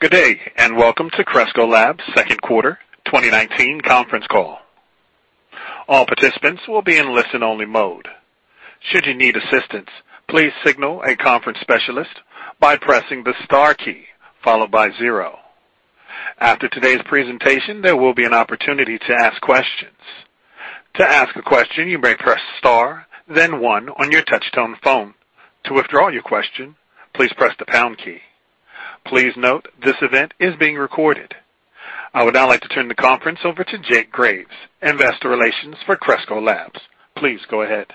Good day, and welcome to Cresco Labs' Q2 2019 Conference Call. All participants will be in listen-only mode. Should you need assistance, please signal a conference specialist by pressing the star key, followed by zero. After today's presentation, there will be an opportunity to ask questions. To ask a question, you may press star, then one on your touchtone phone. To withdraw your question, please press the pound key. Please note, this event is being recorded. I would now like to turn the conference over to Jake Graves, Investor Relations for Cresco Labs. Please go ahead.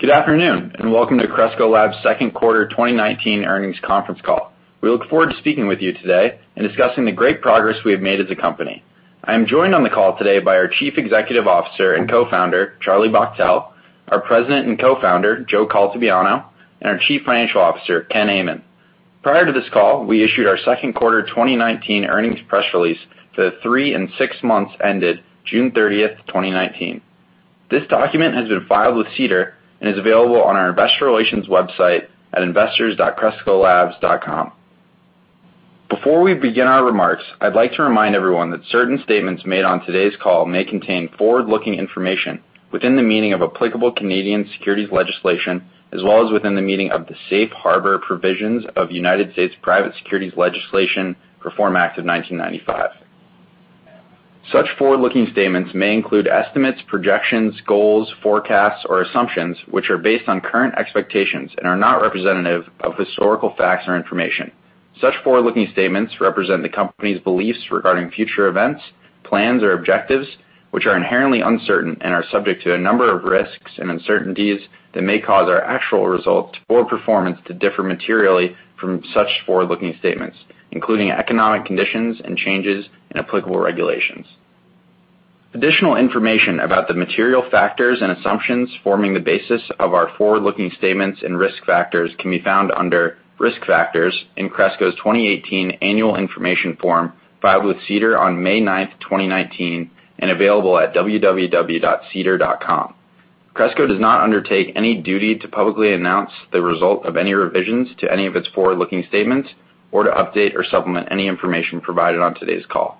Good afternoon, and welcome to Cresco Labs' Q2 2019 Earnings Conference Call. We look forward to speaking with you today and discussing the great progress we have made as a company. I am joined on the call today by our Chief Executive Officer and Co-founder, Charlie Bachtell, our President and Co-founder, Joe Caltabiano, and our Chief Financial Officer, Ken Amann. Prior to this call, we issued our Q2 2019 earnings press release for the three and six months ended June 13, 2019. This document has been filed with SEDAR and is available on our investor relations website at investors.crescolabs.com. Before we begin our remarks, I'd like to remind everyone that certain statements made on today's call may contain forward-looking information within the meaning of applicable Canadian securities legislation, as well as within the meaning of the Safe Harbor provisions of United States private securities legislation, Reform Act of 1995. Such forward-looking statements may include estimates, projections, goals, forecasts, or assumptions, which are based on current expectations and are not representative of historical facts or information. Such forward-looking statements represent the company's beliefs regarding future events, plans, or objectives, which are inherently uncertain and are subject to a number of risks and uncertainties that may cause our actual results or performance to differ materially from such forward-looking statements, including economic conditions and changes in applicable regulations. Additional information about the material factors and assumptions forming the basis of our forward-looking statements and risk factors can be found under Risk Factors in Cresco's 2018 Annual Information Form, filed with SEDAR on May ninth, 2019, and available at www.sedar.com. Cresco does not undertake any duty to publicly announce the result of any revisions to any of its forward-looking statements or to update or supplement any information provided on today's call.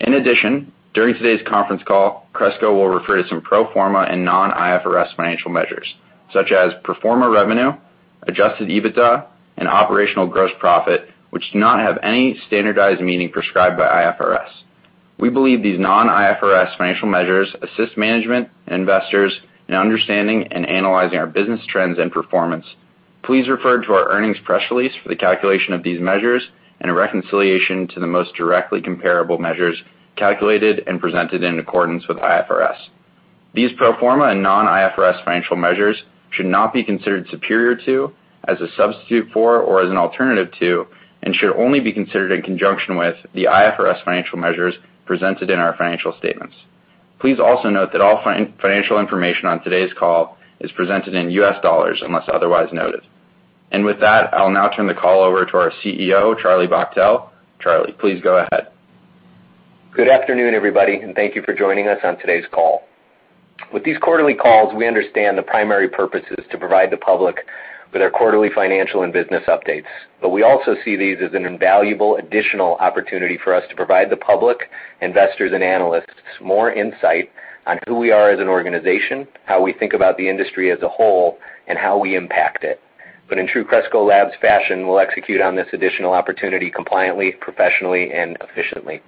In addition, during today's conference call, Cresco will refer to some pro forma and non-IFRS financial measures, such as pro forma revenue, adjusted EBITDA, and operational gross profit, which do not have any standardized meaning prescribed by IFRS. We believe these non-IFRS financial measures assist management and investors in understanding and analyzing our business trends and performance. Please refer to our earnings press release for the calculation of these measures and a reconciliation to the most directly comparable measures calculated and presented in accordance with IFRS. These pro forma and non-IFRS financial measures should not be considered superior to, as a substitute for, or as an alternative to, and should only be considered in conjunction with the IFRS financial measures presented in our financial statements. Please also note that all financial information on today's call is presented in US dollars, unless otherwise noted, and with that, I'll now turn the call over to our CEO, Charlie Bachtell. Charlie, please go ahead. Good afternoon, everybody, and thank you for joining us on today's call. With these quarterly calls, we understand the primary purpose is to provide the public with our quarterly financial and business updates, but we also see these as an invaluable additional opportunity for us to provide the public, investors, and analysts more insight on who we are as an organization, how we think about the industry as a whole, and how we impact it. But in true Cresco Labs fashion, we'll execute on this additional opportunity compliantly, professionally, and efficiently.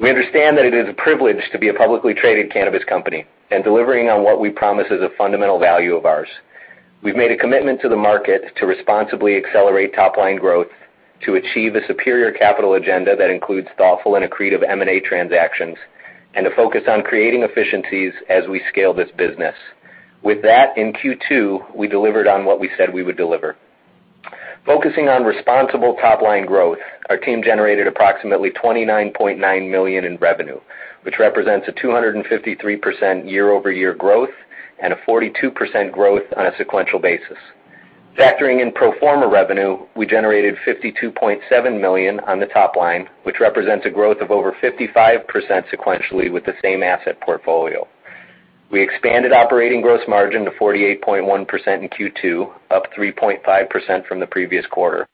We understand that it is a privilege to be a publicly traded cannabis company, and delivering on what we promise is a fundamental value of ours. We've made a commitment to the market to responsibly accelerate top-line growth, to achieve a superior capital agenda that includes thoughtful and accretive M&A transactions, and to focus on creating efficiencies as we scale this business. With that, in Q2, we delivered on what we said we would deliver. Focusing on responsible top-line growth, our team generated approximately $29.9 million in revenue, which represents a 253% year-over-year growth and a 42% growth on a sequential basis. Factoring in pro forma revenue, we generated $52.7 million on the top line, which represents a growth of over 55% sequentially with the same asset portfolio. We expanded operating gross margin to 48.1% in Q2, up 3.5% from the previous quarter,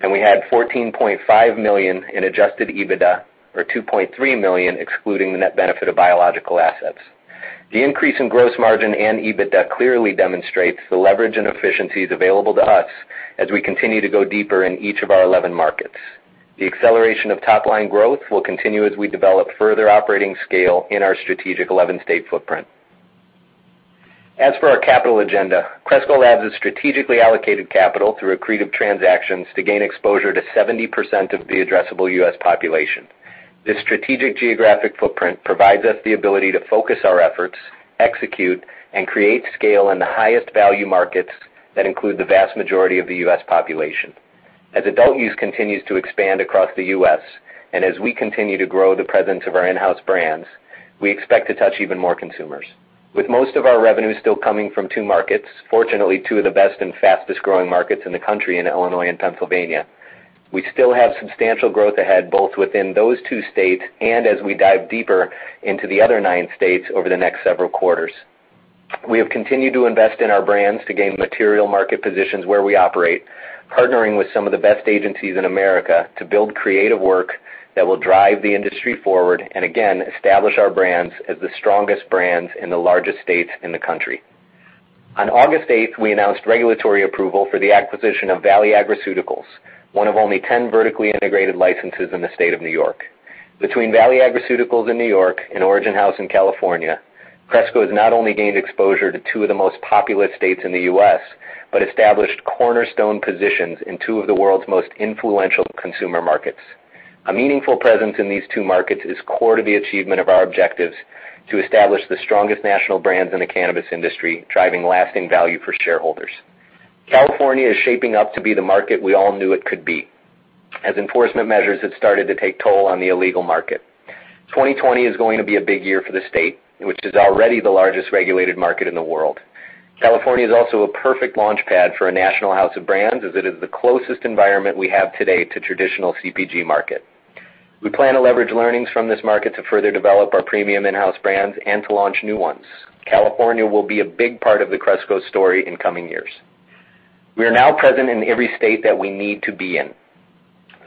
and we had $14.5 million in adjusted EBITDA, or $2.3 million, excluding the net benefit of biological assets. The increase in gross margin and EBITDA clearly demonstrates the leverage and efficiencies available to us as we continue to go deeper in each of our 11 markets. The acceleration of top-line growth will continue as we develop further operating scale in our strategic 11-state footprint. As for our capital agenda, Cresco Labs has strategically allocated capital through accretive transactions to gain exposure to 70% of the addressable U.S. population. This strategic geographic footprint provides us the ability to focus our efforts, execute, and create scale in the highest value markets that include the vast majority of the U.S. population. As adult use continues to expand across the U.S., and as we continue to grow the presence of our in-house brands, we expect to touch even more consumers. With most of our revenue still coming from two markets, fortunately, two of the best and fastest-growing markets in the country in Illinois and Pennsylvania, we still have substantial growth ahead, both within those two states and as we dive deeper into the other nine states over the next several quarters. We have continued to invest in our brands to gain material market positions where we operate, partnering with some of the best agencies in America to build creative work that will drive the industry forward, and again, establish our brands as the strongest brands in the largest states in the country. On August 8, we announced regulatory approval for the acquisition of Valley Agriceuticals, one of only ten vertically integrated licenses in the state of New York. Between Valley Agriceuticals in New York and Origin House in California, Cresco has not only gained exposure to two of the most populous states in the U.S., but established cornerstone positions in two of the world's most influential consumer markets. A meaningful presence in these two markets is core to the achievement of our objectives to establish the strongest national brands in the cannabis industry, driving lasting value for shareholders. California is shaping up to be the market we all knew it could be, as enforcement measures have started to take toll on the illegal market. 2020 is going to be a big year for the state, which is already the largest regulated market in the world. California is also a perfect launchpad for a national house of brands, as it is the closest environment we have today to traditional CPG market. We plan to leverage learnings from this market to further develop our premium in-house brands and to launch new ones. California will be a big part of the Cresco story in coming years. We are now present in every state that we need to be in.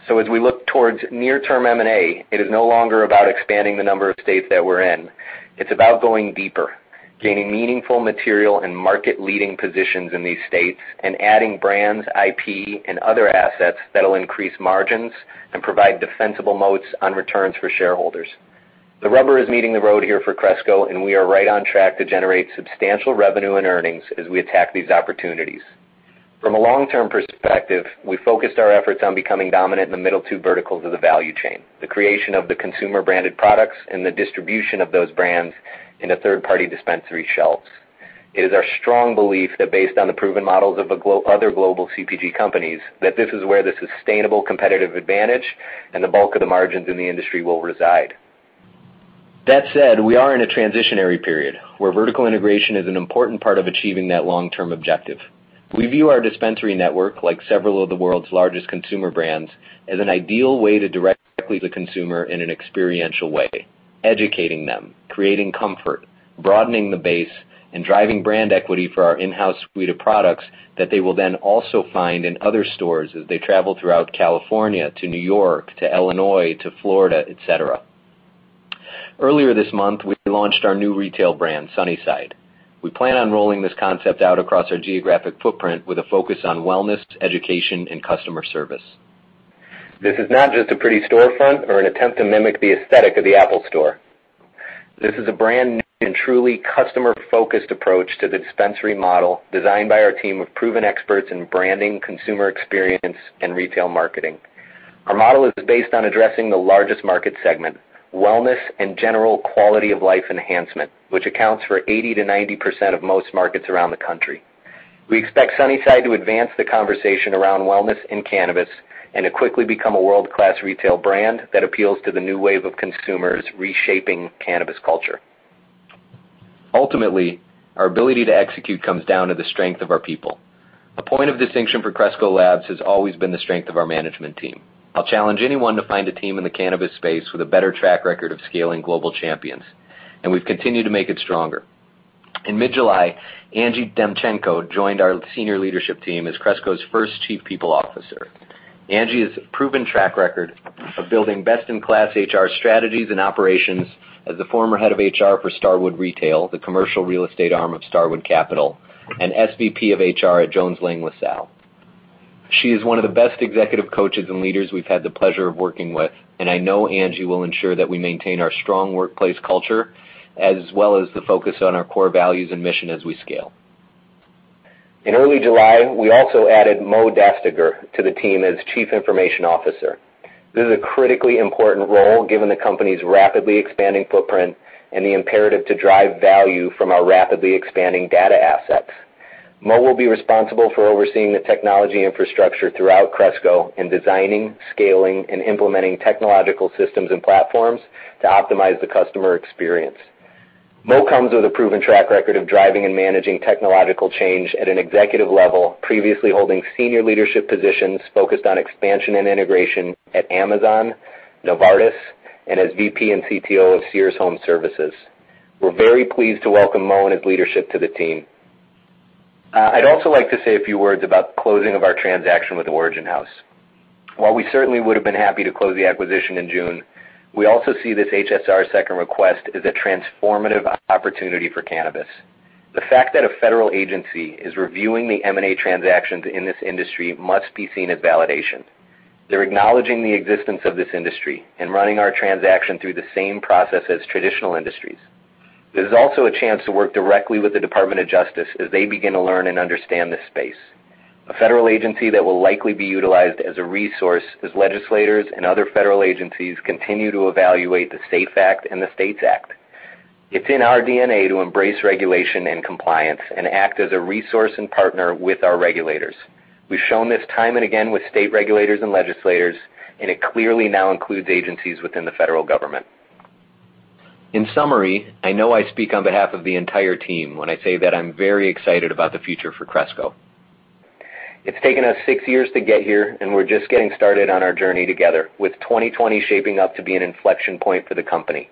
So as we look towards near-term M&A, it is no longer about expanding the number of states that we're in. It's about going deeper, gaining meaningful material and market-leading positions in these states, and adding brands, IP, and other assets that'll increase margins and provide defensible moats on returns for shareholders. The rubber is meeting the road here for Cresco, and we are right on track to generate substantial revenue and earnings as we attack these opportunities. From a long-term perspective, we focused our efforts on becoming dominant in the middle two verticals of the value chain, the creation of the consumer-branded products and the distribution of those brands in a third-party dispensary shelves. It is our strong belief that based on the proven models of other global CPG companies, that this is where the sustainable competitive advantage and the bulk of the margins in the industry will reside. That said, we are in a transitionary period, where vertical integration is an important part of achieving that long-term objective. We view our dispensary network, like several of the world's largest consumer brands, as an ideal way to directly to the consumer in an experiential way, educating them, creating comfort, broadening the base, and driving brand equity for our in-house suite of products that they will then also find in other stores as they travel throughout California to New York, to Illinois, to Florida, et cetera. Earlier this month, we launched our new retail brand, Sunnyside. We plan on rolling this concept out across our geographic footprint with a focus on wellness, education, and customer service. This is not just a pretty storefront or an attempt to mimic the aesthetic of the Apple Store. This is a brand new and truly customer-focused approach to the dispensary model, designed by our team of proven experts in branding, consumer experience, and retail marketing. Our model is based on addressing the largest market segment, wellness and general quality of life enhancement, which accounts for 80%-90% of most markets around the country. We expect Sunnyside to advance the conversation around wellness and cannabis, and to quickly become a world-class retail brand that appeals to the new wave of consumers reshaping cannabis culture. Ultimately, our ability to execute comes down to the strength of our people. A point of distinction for Cresco Labs has always been the strength of our management team. I'll challenge anyone to find a team in the cannabis space with a better track record of scaling global champions, and we've continued to make it stronger. In mid-July, Angie Demchenko joined our senior leadership team as Cresco's first Chief People Officer. Angie has a proven track record of building best-in-class HR strategies and operations as the former head of HR for Starwood Retail, the commercial real estate arm of Starwood Capital, and SVP of HR at Jones Lang LaSalle. She is one of the best executive coaches and leaders we've had the pleasure of working with, and I know Angie will ensure that we maintain our strong workplace culture, as well as the focus on our core values and mission as we scale. In early July, we also added Mo Dastagir to the team as Chief Information Officer. This is a critically important role, given the company's rapidly expanding footprint and the imperative to drive value from our rapidly expanding data assets. Mo will be responsible for overseeing the technology infrastructure throughout Cresco and designing, scaling, and implementing technological systems and platforms to optimize the customer experience. Mo comes with a proven track record of driving and managing technological change at an executive level, previously holding senior leadership positions focused on expansion and integration at Amazon, Novartis, and as VP and CTO of Sears Home Services. We're very pleased to welcome Mo and his leadership to the team. I'd also like to say a few words about the closing of our transaction with Origin House. While we certainly would have been happy to close the acquisition in June, we also see this HSR second request as a transformative opportunity for cannabis. The fact that a federal agency is reviewing the M&A transactions in this industry must be seen as validation. They're acknowledging the existence of this industry and running our transaction through the same process as traditional industries. There's also a chance to work directly with the Department of Justice as they begin to learn and understand this space, a federal agency that will likely be utilized as a resource as legislators and other federal agencies continue to evaluate the SAFE Act and the STATES Act. It's in our DNA to embrace regulation and compliance and act as a resource and partner with our regulators. We've shown this time and again with state regulators and legislators, and it clearly now includes agencies within the federal government. In summary, I know I speak on behalf of the entire team when I say that I'm very excited about the future for Cresco. It's taken us six years to get here, and we're just getting started on our journey together, with 2020 shaping up to be an inflection point for the company.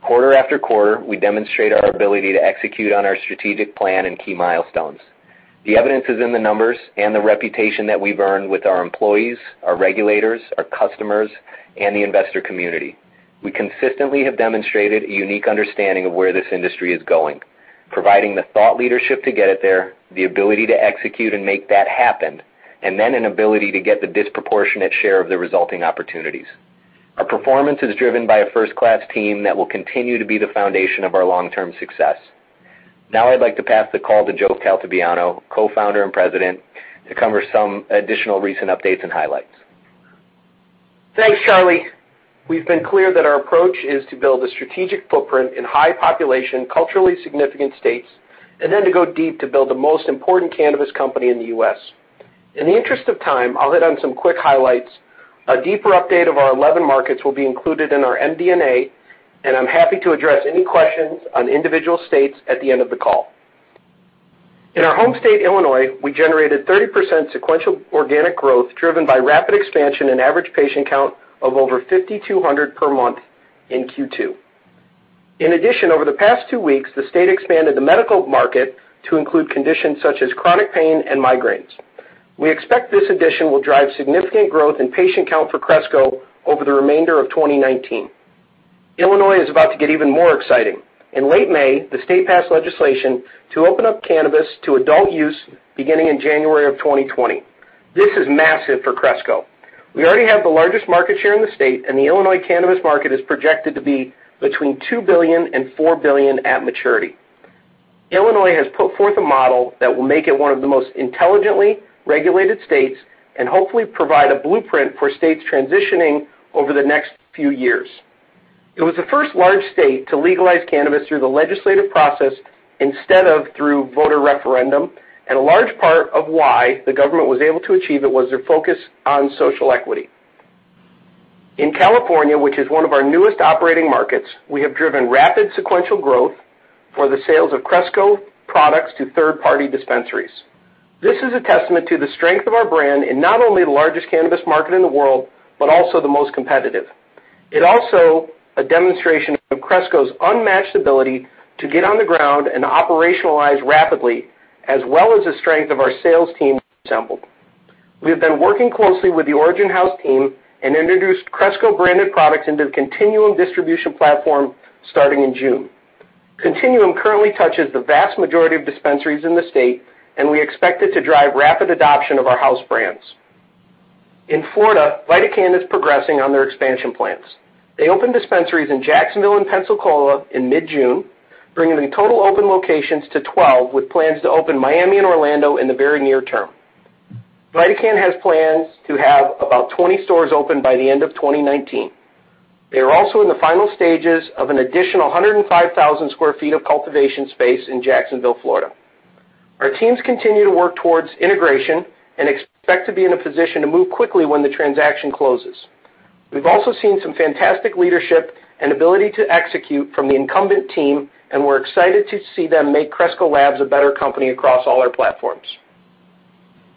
Quarter-over-quarter, we demonstrate our ability to execute on our strategic plan and key milestones. The evidence is in the numbers and the reputation that we've earned with our employees, our regulators, our customers, and the investor community. We consistently have demonstrated a unique understanding of where this industry is going, providing the thought leadership to get it there, the ability to execute and make that happen, and then an ability to get the disproportionate share of the resulting opportunities. Our performance is driven by a first-class team that will continue to be the foundation of our long-term success. Now I'd like to pass the call to Joe Caltabiano, Co-founder and President, to cover some additional recent updates and highlights. Thanks, Charlie. We've been clear that our approach is to build a strategic footprint in high population, culturally significant states, and then to go deep to build the most important cannabis company in the U.S. In the interest of time, I'll hit on some quick highlights. A deeper update of our 11 markets will be included in our MD&A, and I'm happy to address any questions on individual states at the end of the call. In our home state, Illinois, we generated 30% sequential organic growth, driven by rapid expansion and average patient count of over 5,200 per month in Q2. In addition, over the past two weeks, the state expanded the medical market to include conditions such as chronic pain and migraines. We expect this addition will drive significant growth in patient count for Cresco over the remainder of 2019. Illinois is about to get even more exciting. In late May, the state passed legislation to open up cannabis to adult use beginning in January of 2020. This is massive for Cresco. We already have the largest market share in the state, and the Illinois cannabis market is projected to be between $2 billion and $3 billion at maturity. Illinois has put forth a model that will make it one of the most intelligently regulated states and hopefully provide a blueprint for states transitioning over the next few years. It was the first large state to legalize cannabis through the legislative process instead of through voter referendum, and a large part of why the government was able to achieve it was their focus on social equity. In California, which is one of our newest operating markets, we have driven rapid sequential growth for the sales of Cresco products to third-party dispensaries. This is a testament to the strength of our brand in not only the largest cannabis market in the world, but also the most competitive. It is also a demonstration of Cresco's unmatched ability to get on the ground and operationalize rapidly, as well as the strength of our sales team assembled. We have been working closely with the Origin House team and introduced Cresco-branded products into the Continuum distribution platform starting in June. Continuum currently touches the vast majority of dispensaries in the state, and we expect it to drive rapid adoption of our house brands. In Florida, VidaCann is progressing on their expansion plans. They opened dispensaries in Jacksonville and Pensacola in mid-June, bringing the total open locations to 12, with plans to open Miami and Orlando in the very near term. VidaCann has plans to have about 20 stores open by the end of 2019. They are also in the final stages of an additional 105,000 sq ft of cultivation space in Jacksonville, Florida. Our teams continue to work towards integration and expect to be in a position to move quickly when the transaction closes. We've also seen some fantastic leadership and ability to execute from the incumbent team, and we're excited to see them make Cresco Labs a better company across all our platforms.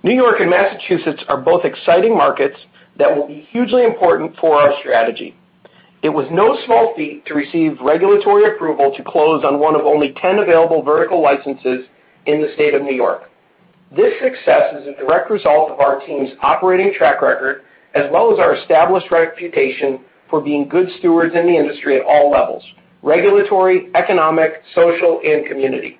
New York and Massachusetts are both exciting markets that will be hugely important for our strategy. It was no small feat to receive regulatory approval to close on one of only ten available vertical licenses in the state of New York. This success is a direct result of our team's operating track record, as well as our established reputation for being good stewards in the industry at all levels: regulatory, economic, social, and community.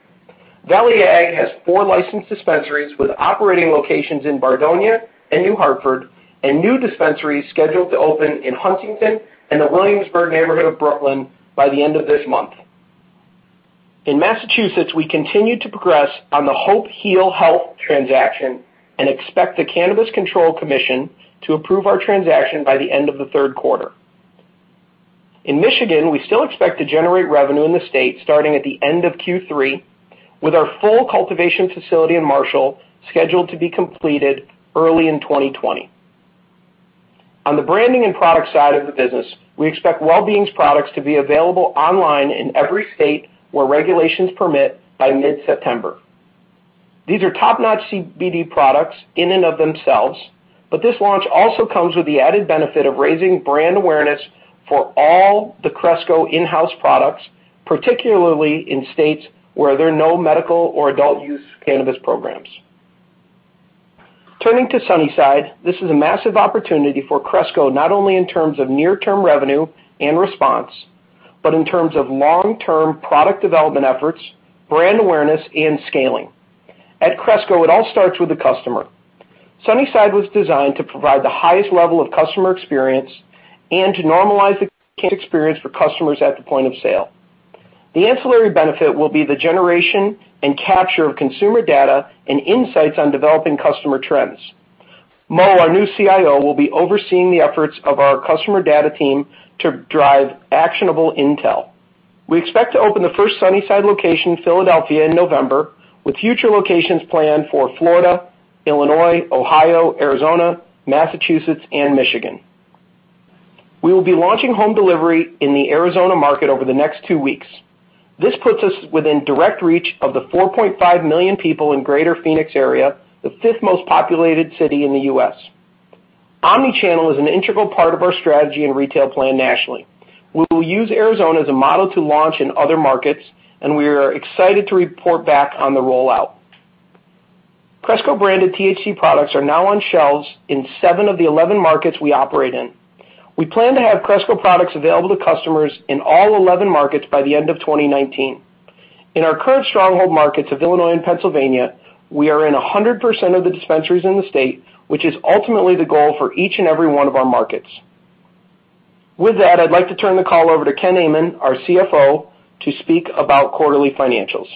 Valley Ag has four licensed dispensaries, with operating locations in Bardonia and New Hartford, and new dispensaries scheduled to open in Huntington and the Williamsburg neighborhood of Brooklyn by the end of this month. In Massachusetts, we continue to progress on the Hope Heal Health transaction and expect the Cannabis Control Commission to approve our transaction by the end of the third quarter. In Michigan, we still expect to generate revenue in the state starting at the end of Q3, with our full cultivation facility in Marshall scheduled to be completed early in 2020. On the branding and product side of the business, we expect Well Beings' products to be available online in every state where regulations permit by mid-September. These are top-notch CBD products in and of themselves, but this launch also comes with the added benefit of raising brand awareness for all the Cresco in-house products, particularly in states where there are no medical or adult-use cannabis programs. Turning to Sunnyside, this is a massive opportunity for Cresco, not only in terms of near-term revenue and response, but in terms of long-term product development efforts, brand awareness, and scaling. At Cresco, it all starts with the customer. Sunnyside was designed to provide the highest level of customer experience and to normalize the cannabis experience for customers at the point of sale. The ancillary benefit will be the generation and capture of consumer data and insights on developing customer trends. Mo, our new CIO, will be overseeing the efforts of our customer data team to drive actionable intel. We expect to open the first Sunnyside location in Philadelphia in November, with future locations planned for Florida, Illinois, Ohio, Arizona, Massachusetts, and Michigan. We will be launching home delivery in the Arizona market over the next two weeks. This puts us within direct reach of the 4.5 million people in Greater Phoenix area, the fifth most populated city in the U.S. Omnichannel is an integral part of our strategy and retail plan nationally. We will use Arizona as a model to launch in other markets, and we are excited to report back on the rollout. Cresco-branded THC products are now on shelves in 7 of the 11 markets we operate in. We plan to have Cresco products available to customers in all 11 markets by the end of 2019. In our current stronghold markets of Illinois and Pennsylvania, we are in 100% of the dispensaries in the state, which is ultimately the goal for each and every one of our markets. With that, I'd like to turn the call over to Ken Amann, our CFO, to speak about quarterly financials.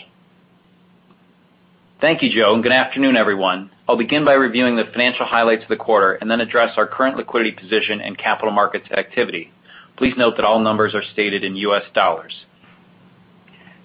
Thank you, Joe, and good afternoon, everyone. I'll begin by reviewing the financial highlights of the quarter and then address our current liquidity position and capital markets activity. Please note that all numbers are stated in U.S. dollars.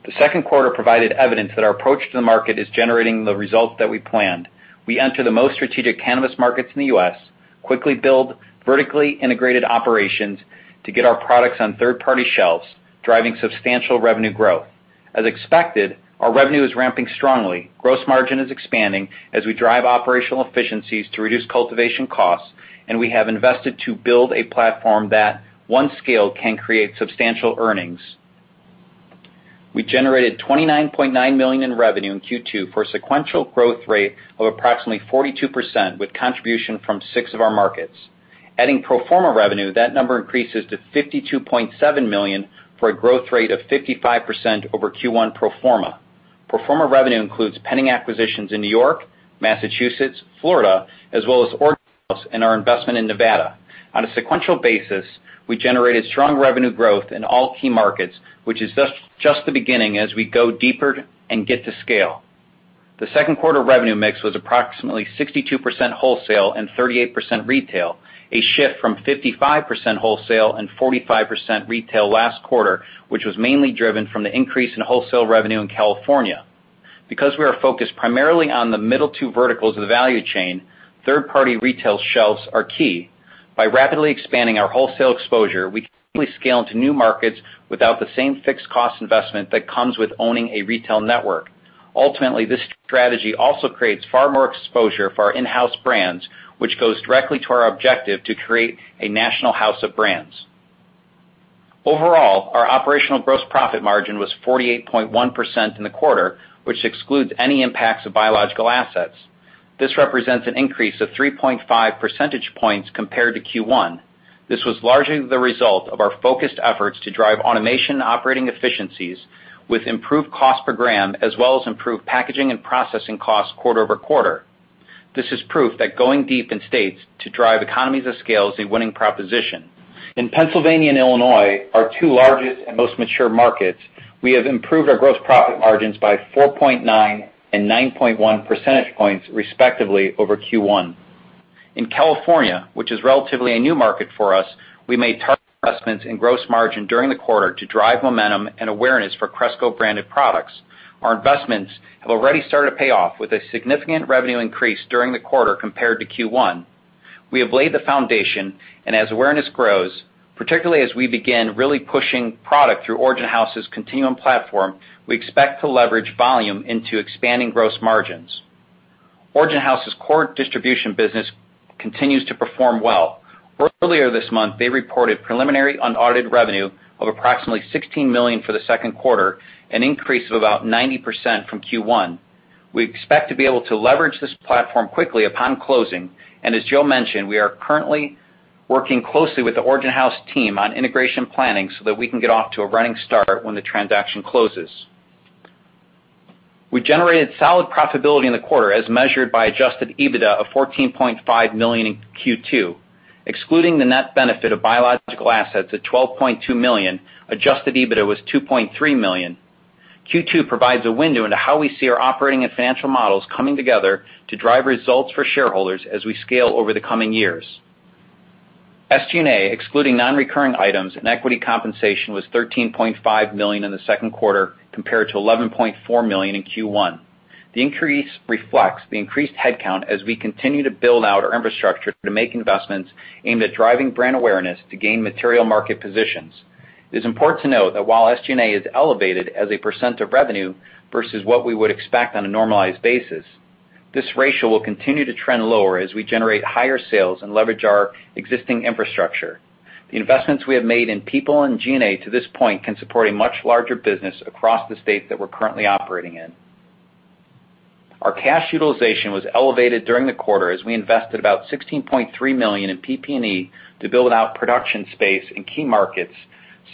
The second quarter provided evidence that our approach to the market is generating the results that we planned. We enter the most strategic cannabis markets in the U.S., quickly build vertically integrated operations to get our products on third-party shelves, driving substantial revenue growth. As expected, our revenue is ramping strongly. Gross margin is expanding as we drive operational efficiencies to reduce cultivation costs, and we have invested to build a platform that, once scaled, can create substantial earnings. We generated $29.9 million in revenue in Q2 for a sequential growth rate of approximately 42%, with contribution from six of our markets. Adding pro forma revenue, that number increases to $52.7 million, for a growth rate of 55% over Q1 pro forma. Pro forma revenue includes pending acquisitions in New York, Massachusetts, Florida, as well as Origin House and our investment in Nevada. On a sequential basis, we generated strong revenue growth in all key markets, which is just the beginning as we go deeper and get to scale. The second quarter revenue mix was approximately 62% wholesale and 38% retail, a shift from 55% wholesale and 45% retail last quarter, which was mainly driven from the increase in wholesale revenue in California. Because we are focused primarily on the middle two verticals of the value chain, third-party retail shelves are key. By rapidly expanding our wholesale exposure, we can quickly scale into new markets without the same fixed cost investment that comes with owning a retail network. Ultimately, this strategy also creates far more exposure for our in-house brands, which goes directly to our objective to create a national house of brands. Overall, our operational gross profit margin was 48.1% in the quarter, which excludes any impacts of biological assets. This represents an increase of 3.5 percentage points compared to Q1. This was largely the result of our focused efforts to drive automation and operating efficiencies with improved cost per gram, as well as improved packaging and processing costs quarter-over-quarter. This is proof that going deep in states to drive economies of scale is a winning proposition. In Pennsylvania and Illinois, our two largest and most mature markets, we have improved our gross profit margins by 4.9 and 9.1 percentage points, respectively, over Q1. In California, which is relatively a new market for us, we made targeted investments in gross margin during the quarter to drive momentum and awareness for Cresco-branded products. Our investments have already started to pay off, with a significant revenue increase during the quarter compared to Q1. We have laid the foundation, and as awareness grows, particularly as we begin really pushing product through Origin House's Continuum platform, we expect to leverage volume into expanding gross margins. Origin House's core distribution business continues to perform well. Earlier this month, they reported preliminary unaudited revenue of approximately $16 million for the second quarter, an increase of about 90% from Q1. We expect to be able to leverage this platform quickly upon closing, and as Joe mentioned, we are currently working closely with the Origin House team on integration planning so that we can get off to a running start when the transaction closes. We generated solid profitability in the quarter, as measured by adjusted EBITDA of $14.5 million in Q2. Excluding the net benefit of biological assets at $12.2 million, adjusted EBITDA was $2.3 million. Q2 provides a window into how we see our operating and financial models coming together to drive results for shareholders as we scale over the coming years. SG&A, excluding non-recurring items and equity compensation, was $13.5 million in the second quarter, compared to $11.4 million in Q1. The increase reflects the increased headcount as we continue to build out our infrastructure to make investments aimed at driving brand awareness to gain material market positions. It is important to note that while SG&A is elevated as a percent of revenue versus what we would expect on a normalized basis, this ratio will continue to trend lower as we generate higher sales and leverage our existing infrastructure. The investments we have made in people and G&A to this point can support a much larger business across the state that we're currently operating in. Our cash utilization was elevated during the quarter as we invested about $16.3 million in PP&E to build out production space in key markets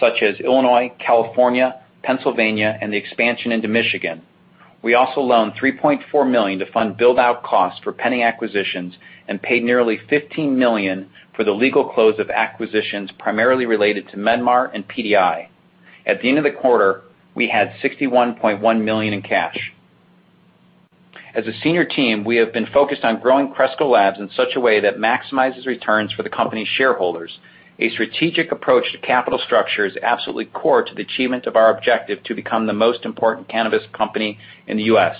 such as Illinois, California, Pennsylvania, and the expansion into Michigan. We also loaned $3.4 million to fund build-out costs for pending acquisitions and paid nearly $15 million for the legal close of acquisitions, primarily related to MedMar and PDI. At the end of the quarter, we had $61.1 million in cash. As a senior team, we have been focused on growing Cresco Labs in such a way that maximizes returns for the company's shareholders. A strategic approach to capital structure is absolutely core to the achievement of our objective to become the most important cannabis company in the U.S.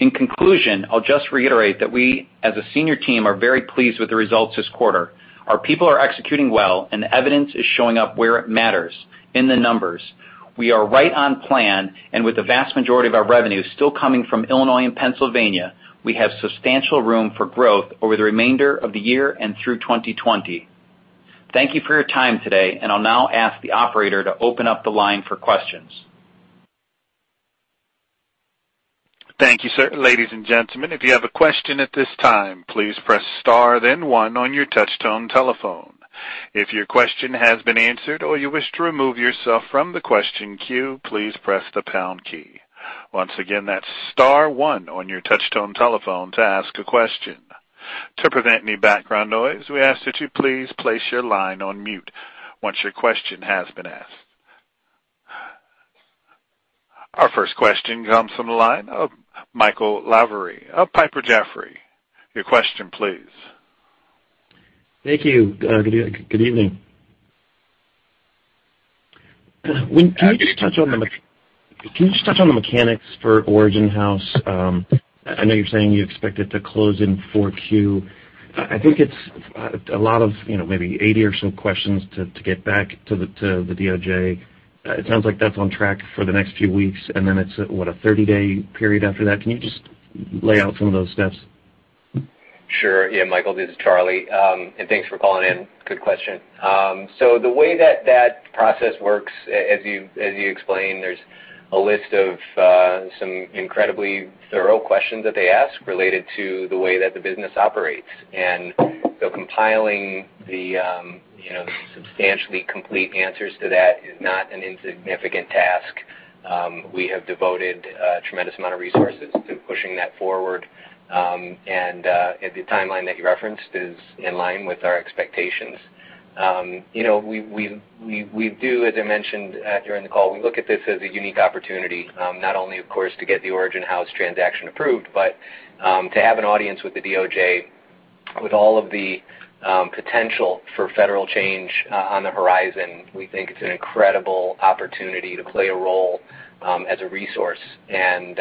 In conclusion, I'll just reiterate that we, as a senior team, are very pleased with the results this quarter. Our people are executing well, and the evidence is showing up where it matters, in the numbers. We are right on plan, and with the vast majority of our revenue still coming from Illinois and Pennsylvania, we have substantial room for growth over the remainder of the year and through 2020. Thank you for your time today, and I'll now ask the operator to open up the line for questions. Thank you, sir. Ladies and gentlemen, if you have a question at this time, please press star then one on your touchtone telephone. If your question has been answered or you wish to remove yourself from the question queue, please press the pound key. Once again, that's star one on your touchtone telephone to ask a question. To prevent any background noise, we ask that you please place your line on mute once your question has been asked. Our first question comes from the line of Michael Lavery of Piper Jaffray. Your question, please. Thank you. Good evening. Can you just touch on the mechanics for Origin House? I know you're saying you expect it to close in Q4. I think it's a lot of, you know, maybe 80 or so questions to get back to the DOJ. It sounds like that's on track for the next few weeks, and then it's, what, a 30-day period after that? Can you just lay out some of those steps? Sure. Yeah, Michael, this is Charlie, and thanks for calling in. Good question, so the way that that process works, as you explained, there's a list of some incredibly thorough questions that they ask related to the way that the business operates, and so compiling the, you know, the substantially complete answers to that is not an insignificant task. We have devoted a tremendous amount of resources to pushing that forward, and the timeline that you referenced is in line with our expectations. You know, we do, as I mentioned, during the call, we look at this as a unique opportunity, not only, of course, to get the Origin House transaction approved, but to have an audience with the DOJ, with all of the potential for federal change on the horizon. We think it's an incredible opportunity to play a role as a resource and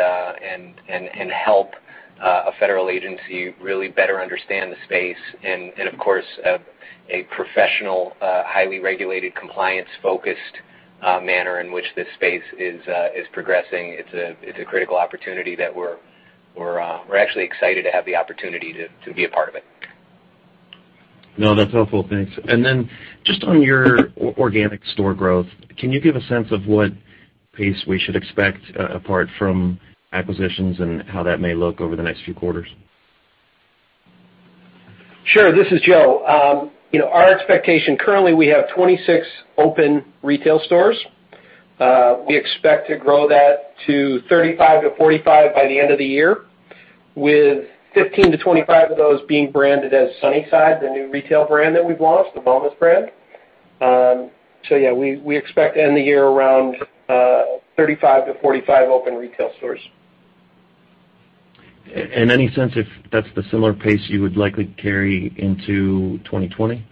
help a federal agency really better understand the space and of course a professional highly regulated compliance-focused manner in which this space is progressing. It's a critical opportunity that we're actually excited to have the opportunity to be a part of it. No, that's helpful. Thanks. And then just on your organic store growth, can you give a sense of what pace we should expect, apart from acquisitions and how that may look over the next few quarters? Sure. This is Joe. You know, our expectation, currently, we have 26 open retail stores. We expect to grow that to 35-45 by the end of the year, with 15-25 of those being branded as Sunnyside, the new retail brand that we've launched, the wellness brand. So yeah, we expect to end the year around 35-45 open retail stores. And any sense if that's the similar pace you would likely carry into 2020?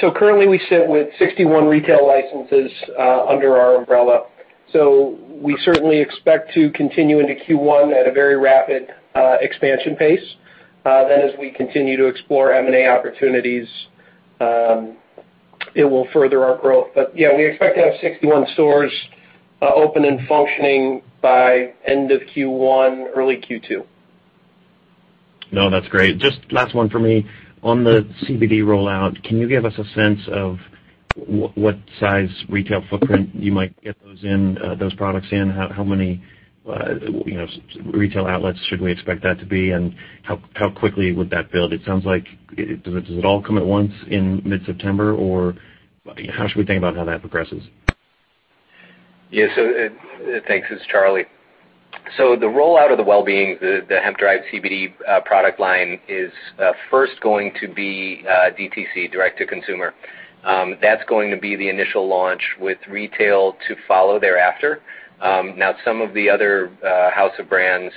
So currently, we sit with 61 retail licenses under our umbrella. So we certainly expect to continue into Q1 at a very rapid expansion pace. Then as we continue to explore M&A opportunities, it will further our growth. But yeah, we expect to have 61 stores open and functioning by end of Q1, early Q2. No, that's great. Just last one for me. On the CBD rollout, can you give us a sense of what size retail footprint you might get those in, those products in? How many, you know, retail outlets should we expect that to be? And how quickly would that build? It sounds like... Does it all come at once in mid-September, or how should we think about how that progresses? Yeah, so, thanks, this is Charlie. The rollout of the Well Beings, the hemp-derived CBD product line, is first going to be DTC, direct to consumer. That's going to be the initial launch, with retail to follow thereafter. Now, some of the other House of Brands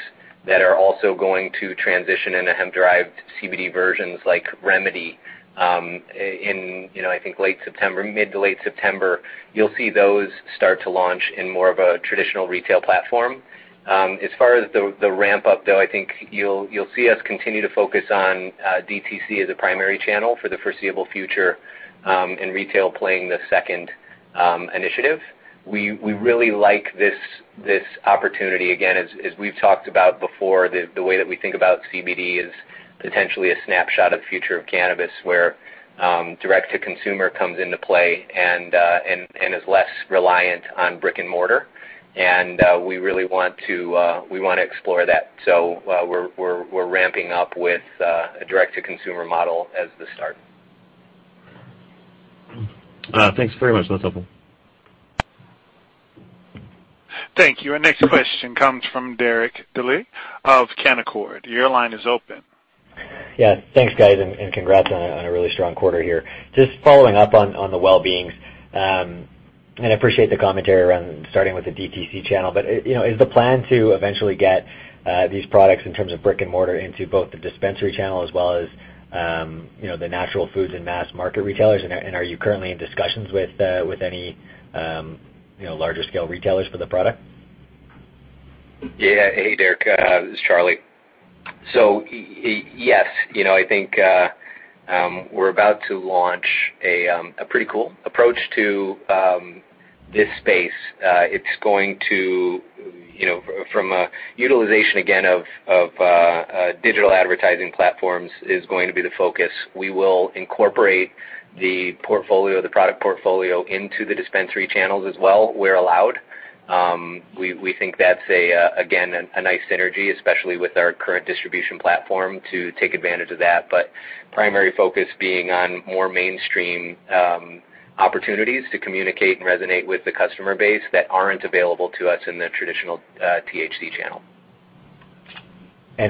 that are also going to transition into hemp-derived CBD versions, like Remedi, in, you know, I think late September, mid to late September, you'll see those start to launch in more of a traditional retail platform. As far as the ramp-up, though, I think you'll see us continue to focus on DTC as a primary channel for the foreseeable future, and retail playing the second initiative. We really like this opportunity. Again, as we've talked about before, the way that we think about CBD is potentially a snapshot of the future of cannabis, where direct to consumer comes into play and is less reliant on brick-and-mortar. We really want to explore that. We're ramping up with a direct-to-consumer model as the start. Thanks very much. That's helpful. Thank you. Our next question comes from Derek Dley of Canaccord. Your line is open. Yeah. Thanks, guys, and congrats on a really strong quarter here. Just following up on the Well Beings, and I appreciate the commentary around starting with the DTC channel. But, you know, is the plan to eventually get these products, in terms of brick-and-mortar, into both the dispensary channel as well as, you know, the natural foods and mass-market retailers? And are you currently in discussions with any, you know, larger-scale retailers for the product? Yeah. Hey, Derek, this is Charlie. So yes, you know, I think we're about to launch a pretty cool approach to this space. It's going to, you know, from a utilization again of digital advertising platforms, is going to be the focus. We will incorporate the portfolio, the product portfolio into the dispensary channels as well, where allowed. We think that's again a nice synergy, especially with our current distribution platform, to take advantage of that. But primary focus being on more mainstream opportunities to communicate and resonate with the customer base that aren't available to us in the traditional THC channel.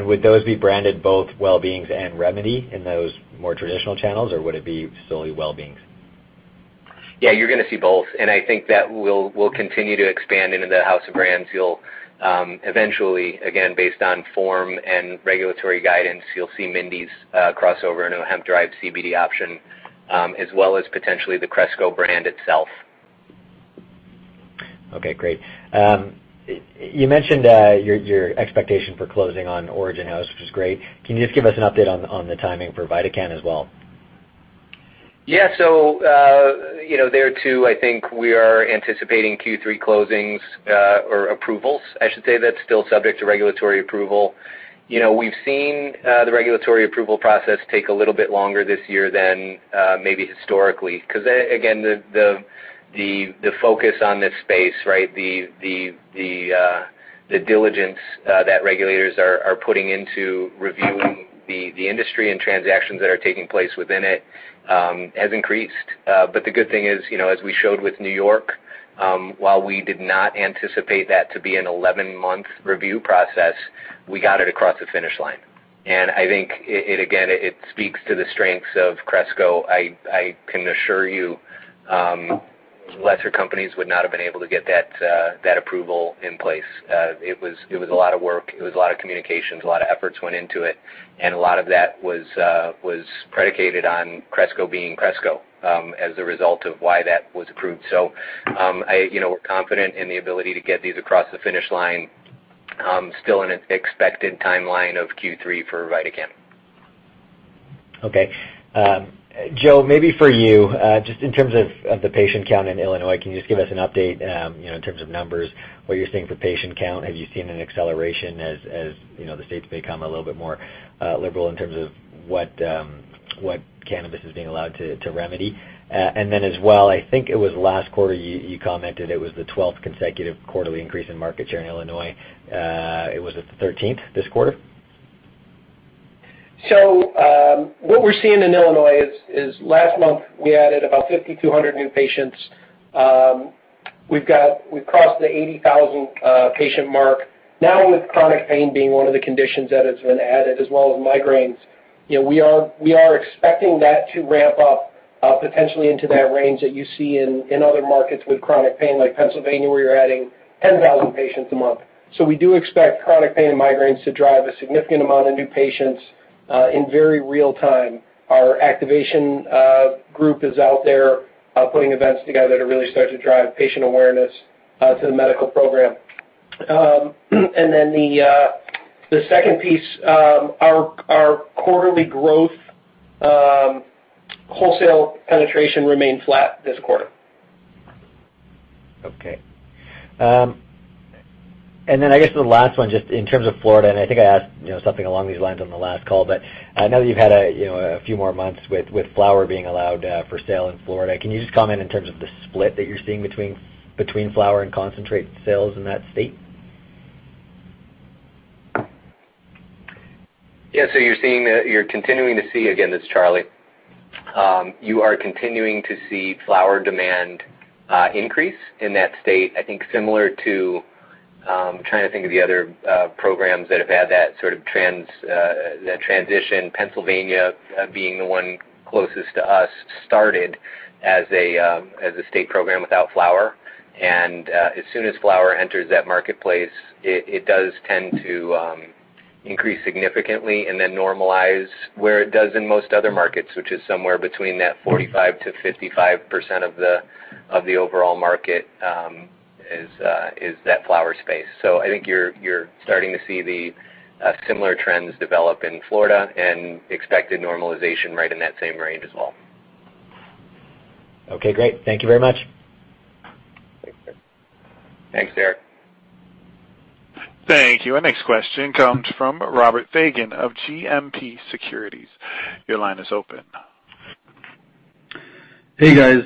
Would those be branded both Well Beings and Remedi in those more traditional channels, or would it be solely Well Beings? Yeah, you're gonna see both, and I think that we'll continue to expand into the house of brands. You'll eventually, again, based on form and regulatory guidance, you'll see Mindy's crossover into a hemp-derived CBD option, as well as potentially the Cresco brand itself. Okay, great. You mentioned your expectation for closing on Origin House, which is great. Can you just give us an update on the timing for VidaCann as well? Yeah. So, you know, there, too, I think we are anticipating Q3 closings, or approvals. I should say that's still subject to regulatory approval. You know, we've seen the regulatory approval process take a little bit longer this year than maybe historically, because, again, the focus on this space, right? The diligence that regulators are putting into reviewing the industry and transactions that are taking place within it has increased. But the good thing is, you know, as we showed with New York, while we did not anticipate that to be an 11-month review process, we got it across the finish line. And I think it, again, it speaks to the strengths of Cresco. I can assure you, lesser companies would not have been able to get that, that approval in place. It was a lot of work, it was a lot of communications, a lot of efforts went into it, and a lot of that was predicated on Cresco being Cresco, as a result of why that was approved. So, you know, we're confident in the ability to get these across the finish line, still in an expected timeline of Q3 for VidaCann. Okay. Joe, maybe for you, just in terms of the patient count in Illinois, can you just give us an update, you know, in terms of numbers, what you're seeing for patient count? Have you seen an acceleration as you know, the states become a little bit more liberal in terms of what cannabis is being allowed to remedy? And then as well, I think it was last quarter, you commented it was the 12th consecutive quarterly increase in market share in Illinois. It was the 13th this quarter? So, what we're seeing in Illinois is last month we added about 5,200 new patients. We've crossed the 80,000 patient mark. Now, with chronic pain being one of the conditions that has been added, as well as migraines, you know, we are expecting that to ramp up potentially into that range that you see in other markets with chronic pain, like Pennsylvania, where you're adding 10,000 patients a month. So we do expect chronic pain and migraines to drive a significant amount of new patients in very real time. Our activation group is out there putting events together to really start to drive patient awareness to the medical program, and then the second piece, our quarterly growth, wholesale penetration remained flat this quarter. Okay. And then I guess the last one, just in terms of Florida, and I think I asked, you know, something along these lines on the last call, but I know you've had a, you know, a few more months with flower being allowed for sale in Florida. Can you just comment in terms of the split that you're seeing between flower and concentrate sales in that state? Yeah, so you're seeing, you're continuing to see. Again, it's Charlie. You are continuing to see flower demand increase in that state. I think similar to, trying to think of the other, programs that have had that sort of transition. Pennsylvania, being the one closest to us, started as a state program without flower, and as soon as flower enters that marketplace, it does tend to increase significantly and then normalize where it does in most other markets, which is somewhere between 45%-55% of the overall market is that flower space. So I think you're starting to see the similar trends develop in Florida and expected normalization right in that same range as well. Okay, great. Thank you very much. Thanks, Derek. Thank you. Our next question comes from Robert Fagan of GMP Securities. Your line is open. Hey, guys,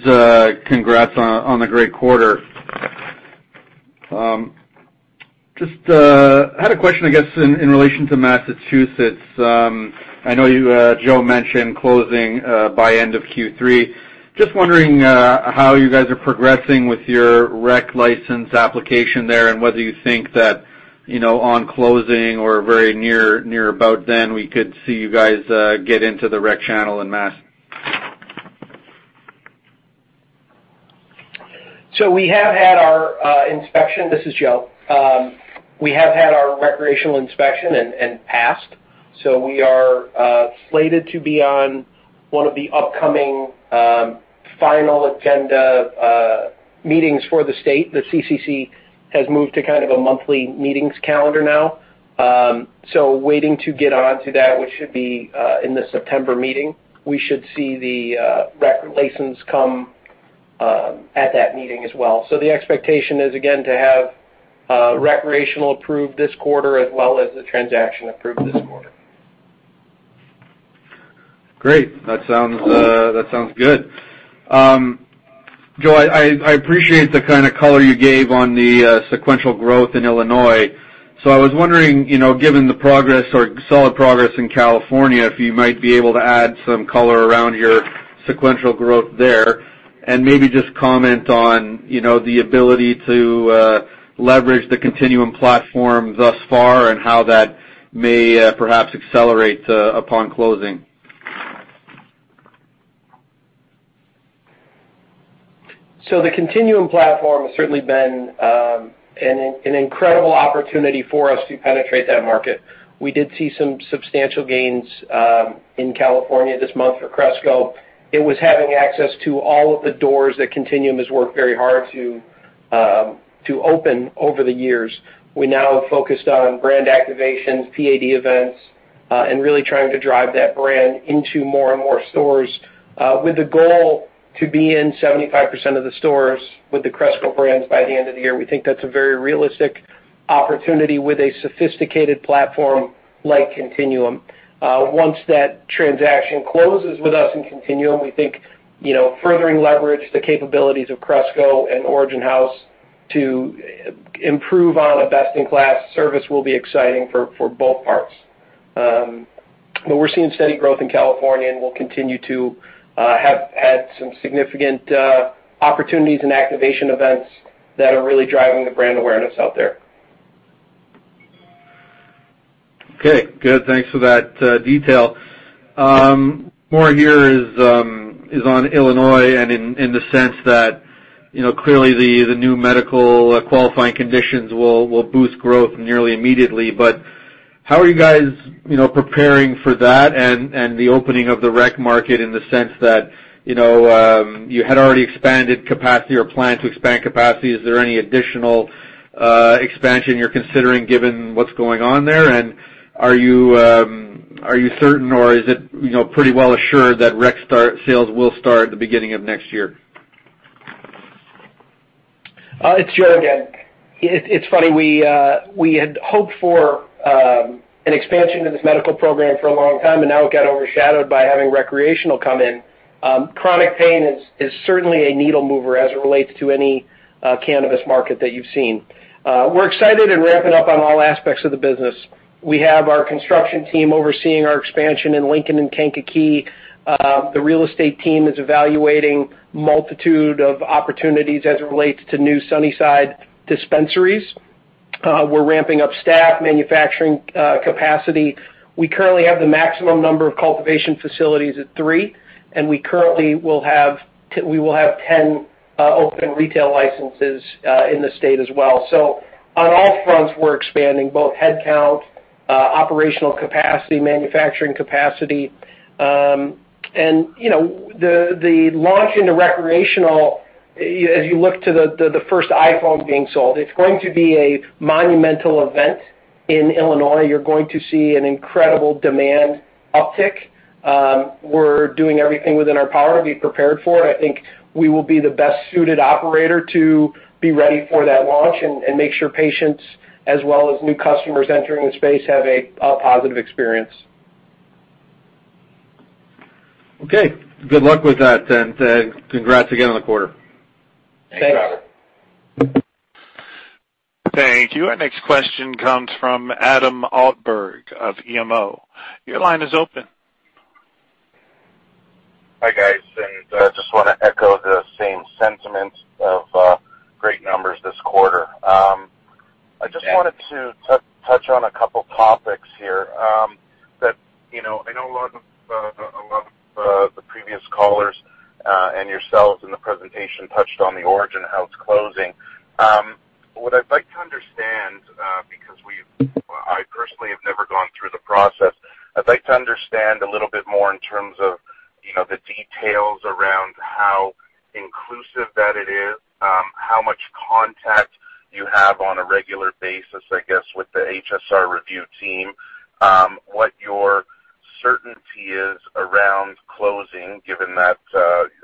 congrats on the great quarter. Just had a question, I guess, in relation to Massachusetts. I know you, Joe mentioned closing by end of Q3. Just wondering how you guys are progressing with your rec license application there and whether you think that, you know, on closing or very near about then, we could see you guys get into the rec channel in Mass. So we have had our inspection. This is Joe. We have had our recreational inspection and passed, so we are slated to be on one of the upcoming final agenda meetings for the state. The CCC has moved to kind of a monthly meetings calendar now. So waiting to get on to that, which should be in the September meeting, we should see the rec license come at that meeting as well. So the expectation is, again, to have recreational approved this quarter as well as the transaction approved this quarter. Great. That sounds, that sounds good. Joe, I appreciate the kind of color you gave on the sequential growth in Illinois. So I was wondering, you know, given the progress or solid progress in California, if you might be able to add some color around your sequential growth there, and maybe just comment on, you know, the ability to leverage the Continuum platform thus far and how that may perhaps accelerate upon closing. So the Continuum platform has certainly been an incredible opportunity for us to penetrate that market. We did see some substantial gains in California this month for Cresco. It was having access to all of the doors that Continuum has worked very hard to open over the years. We now have focused on brand activations, PAD events, and really trying to drive that brand into more and more stores with the goal to be in 75% of the stores with the Cresco brands by the end of the year. We think that's a very realistic opportunity with a sophisticated platform like Continuum. Once that transaction closes with us in Continuum, we think you know, furthering leverage the capabilities of Cresco and Origin House to improve on a best-in-class service will be exciting for both parts. But we're seeing steady growth in California, and we'll continue to have had some significant opportunities and activation events that are really driving the brand awareness out there. Okay, good. Thanks for that, detail. More here is on Illinois and in the sense that, you know, clearly the new medical qualifying conditions will boost growth nearly immediately. But how are you guys, you know, preparing for that and the opening of the rec market in the sense that, you know, you had already expanded capacity or planned to expand capacity? Is there any additional expansion you're considering given what's going on there? And are you certain, or is it, you know, pretty well assured that rec sales will start at the beginning of next year? It's Joe again. It's funny, we had hoped for an expansion to this medical program for a long time, and now it got overshadowed by having recreational come in. Chronic pain is certainly a needle mover as it relates to any cannabis market that you've seen. We're excited and ramping up on all aspects of the business. We have our construction team overseeing our expansion in Lincoln and Kankakee. The real estate team is evaluating multitude of opportunities as it relates to new Sunnyside dispensaries. We're ramping up staff, manufacturing, capacity. We currently have the maximum number of cultivation facilities at three, and we will have ten open retail licenses in the state as well. So on all fronts, we're expanding both headcount, operational capacity, manufacturing capacity. You know, the launch into recreational, as you look to the first iPhone being sold, it's going to be a monumental event in Illinois. You're going to see an incredible demand uptick. We're doing everything within our power to be prepared for it. I think we will be the best-suited operator to be ready for that launch and make sure patients, as well as new customers entering the space, have a positive experience. Okay. Good luck with that, and, congrats again on the quarter. Thanks, Robert. Thank you. Our next question comes from Adam Alberg of EMO. Your line is open. Hi, guys. And I just want to echo the same sentiment of great numbers this quarter. I just wanted to touch on a couple topics here. That, you know, I know a lot of the previous callers and yourselves in the presentation touched on the Origin House closing. What I'd like to understand, because we've... I personally have never gone through the process, I'd like to understand a little bit more in terms of, you know, the details around how inclusive that it is, how much contact you have on a regular basis, I guess, with the HSR review team, what your certainty is around closing, given that,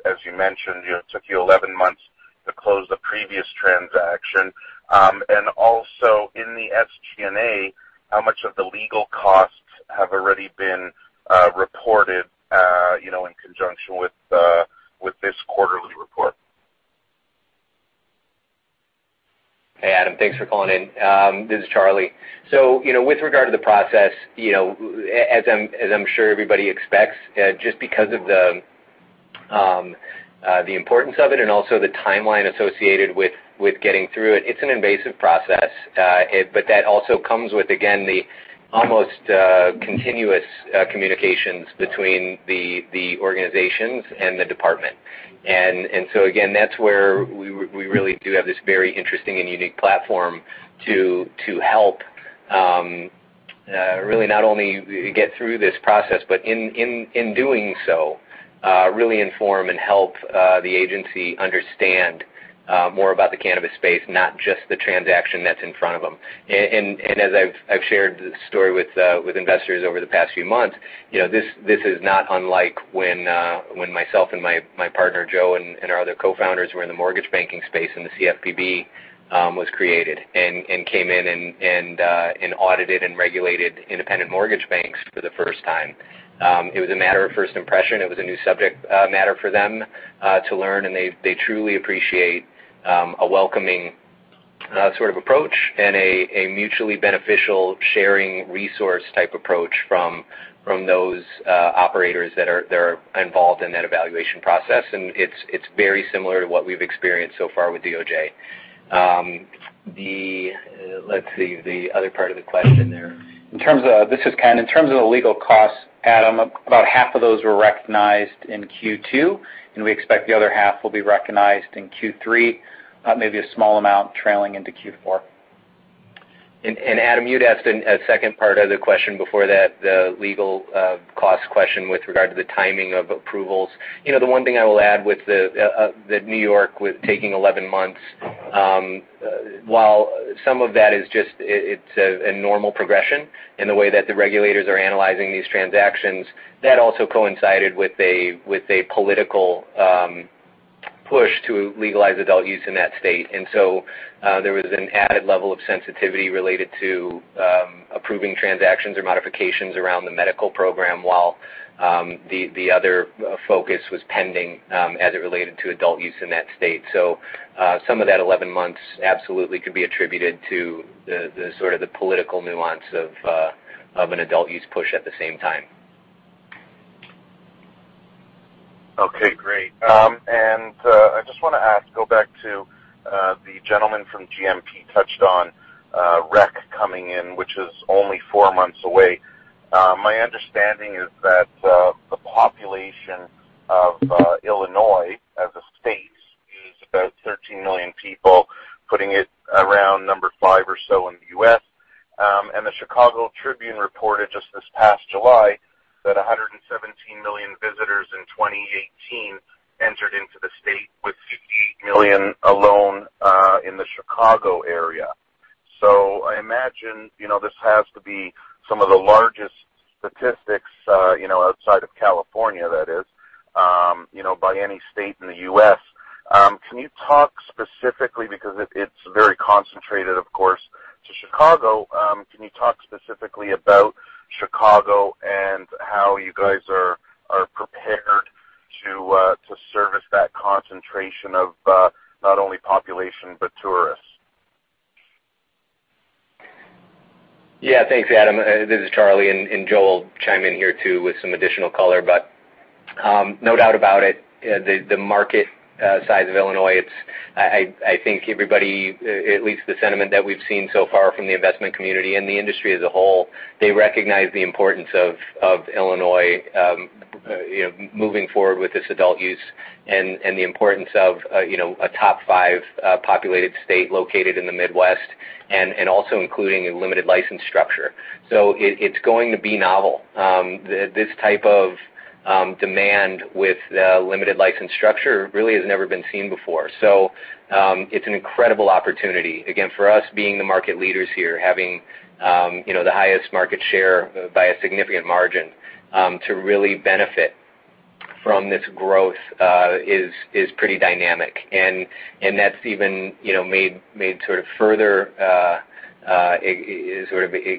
as you mentioned, it took you 11 months to close the previous transaction. And also in the SG&A, how much of the legal costs have already been reported, you know, in conjunction with this quarterly report? Hey, Adam, thanks for calling in. This is Charlie. So, you know, with regard to the process, you know, as I'm, as I'm sure everybody expects, just because of the importance of it and also the timeline associated with getting through it, it's an invasive process. But that also comes with, again, the almost continuous communications between the organizations and the department. And so again, that's where we really do have this very interesting and unique platform to help really not only get through this process, but in doing so really inform and help the agency understand more about the cannabis space, not just the transaction that's in front of them. And as I've shared the story with investors over the past few months, you know, this is not unlike when myself and my partner, Joe, and our other cofounders were in the mortgage banking space, and the CFPB was created and came in and audited and regulated independent mortgage banks for the first time. It was a matter of first impression. It was a new subject matter for them to learn, and they truly appreciate a welcoming sort of approach and a mutually beneficial sharing resource-type approach from those operators that are involved in that evaluation process, and it's very similar to what we've experienced so far with DOJ. The other part of the question there. This is Ken. In terms of the legal costs, Adam, about half of those were recognized in Q2, and we expect the other half will be recognized in Q3, maybe a small amount trailing into Q4. And Adam, you'd asked a second part of the question before that, the legal cost question with regard to the timing of approvals. You know, the one thing I will add with that New York with taking 11 months, while some of that is just, it's a normal progression in the way that the regulators are analyzing these transactions, that also coincided with a political push to legalize adult use in that state. And so, there was an added level of sensitivity related to approving transactions or modifications around the medical program while the other focus was pending, as it related to adult use in that state. Some of that 11 months absolutely could be attributed to the sort of political nuance of an adult use push at the same time. Okay, great. And I just want to ask, go back to the gentleman from GMP touched on rec coming in, which is only four months away. My understanding is that the population of Illinois as a state is about 13 million people, putting it around number five or so in the U.S. And the Chicago Tribune reported just this past July that 117 million visitors in 2018 entered into the state, with 58 million alone in the Chicago area. So I imagine, you know, this has to be some of the largest statistics, you know, outside of California, that is, you know, by any state in the U.S. Can you talk specifically, because it's very concentrated, of course, to Chicago, can you talk specifically about Chicago and how you guys are prepared to service that concentration of not only population, but tourists? Yeah, thanks, Adam. This is Charlie, and Joe will chime in here, too, with some additional color. But, no doubt about it, the market size of Illinois, it's... I think everybody, at least the sentiment that we've seen so far from the investment community and the industry as a whole, they recognize the importance of Illinois, you know, moving forward with this adult use and the importance of, you know, a top five populated state located in the Midwest, and also including a limited license structure. So it, it's going to be novel. This type of demand with limited license structure really has never been seen before. It's an incredible opportunity, again, for us being the market leaders here, having you know the highest market share by a significant margin to really benefit from this growth is pretty dynamic, and that's even you know made sort of further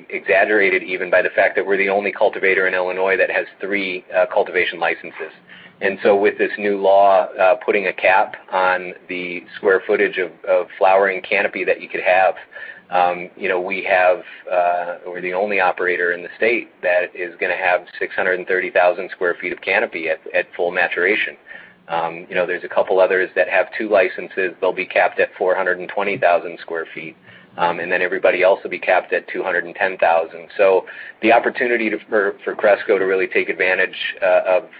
exaggerated even by the fact that we're the only cultivator in Illinois that has three cultivation licenses, and so with this new law putting a cap on the square footage of flowering canopy that you could have you know we have we're the only operator in the state that is gonna have 630,000 sq ft of canopy at full maturation. You know, there's a couple others that have two licenses. They'll be capped at 420,000 sq ft, and then everybody else will be capped at 210,000 sq ft. So the opportunity to, for Cresco to really take advantage of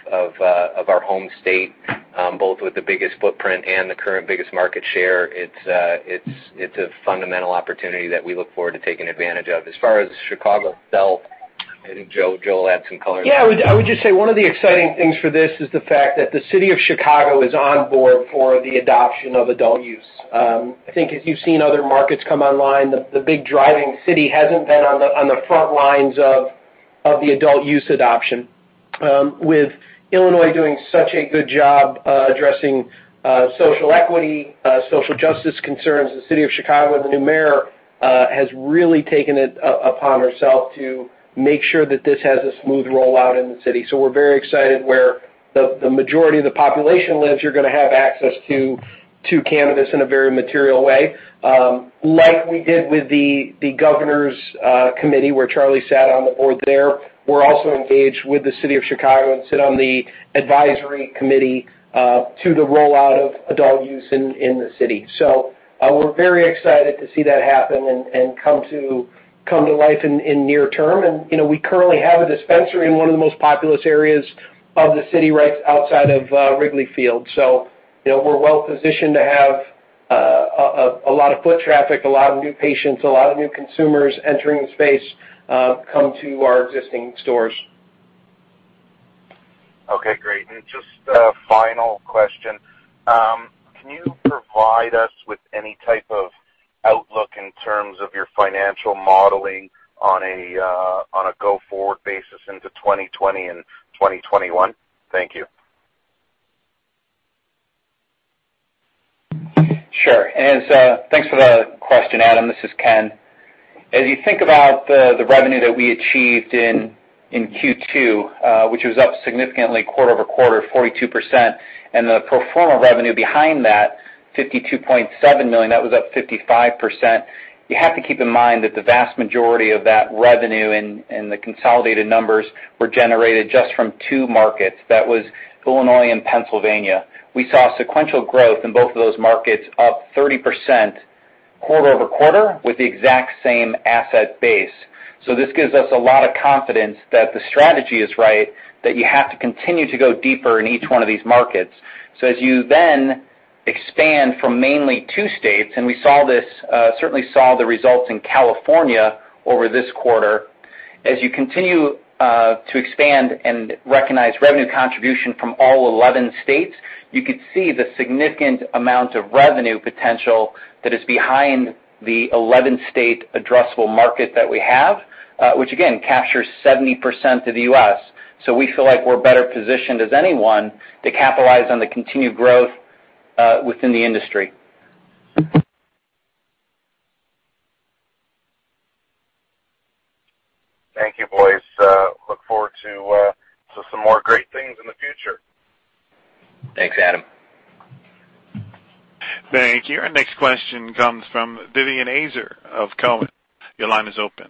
our home state, both with the biggest footprint and the current biggest market share, it's a fundamental opportunity that we look forward to taking advantage of. As far as Chicago itself, I think Joe will add some color. Yeah, I would just say one of the exciting things for this is the fact that the city of Chicago is on board for the adoption of adult use. I think if you've seen other markets come online, the big driving city hasn't been on the front lines of the adult use adoption. With Illinois doing such a good job addressing social equity, social justice concerns, the city of Chicago, the new mayor, has really taken it upon herself to make sure that this has a smooth rollout in the city. So we're very excited where the majority of the population lives, you're gonna have access to cannabis in a very material way. Like we did with the governor's committee, where Charlie sat on the board there, we're also engaged with the city of Chicago and sit on the advisory committee to the rollout of adult use in the city. So we're very excited to see that happen and come to life in near term, and you know, we currently have a dispensary in one of the most populous areas of the city, right outside of Wrigley Field. So you know, we're well-positioned to have a lot of foot traffic, a lot of new patients, a lot of new consumers entering the space, come to our existing stores. Okay, great. And just a final question. Can you provide us with any type of outlook in terms of your financial modeling on a go-forward basis into 2020 and 2021? Thank you. Sure. And thanks for the question, Adam. This is Ken. As you think about the revenue that we achieved in Q2, which was up significantly quarter-over-quarter, 42%, and the pro forma revenue behind that, $52.7 million, that was up 55%. You have to keep in mind that the vast majority of that revenue and the consolidated numbers were generated just from two markets. That was Illinois and Pennsylvania. We saw sequential growth in both of those markets, up 30% quarter-over-quarter with the exact same asset base. So this gives us a lot of confidence that the strategy is right, that you have to continue to go deeper in each one of these markets. So as you then expand from mainly two states, and we saw this, certainly saw the results in California over this quarter, as you continue, to expand and recognize revenue contribution from all 11 states, you could see the significant amount of revenue potential that is behind the 11-state addressable market that we have, which again, captures 70% of the U.S. So we feel like we're better positioned as anyone to capitalize on the continued growth, within the industry. Thank you, boys. Look forward to some more great things in the future. Thanks, Adam. Thank you. Our next question comes from Vivian Azer of Cowen. Your line is open.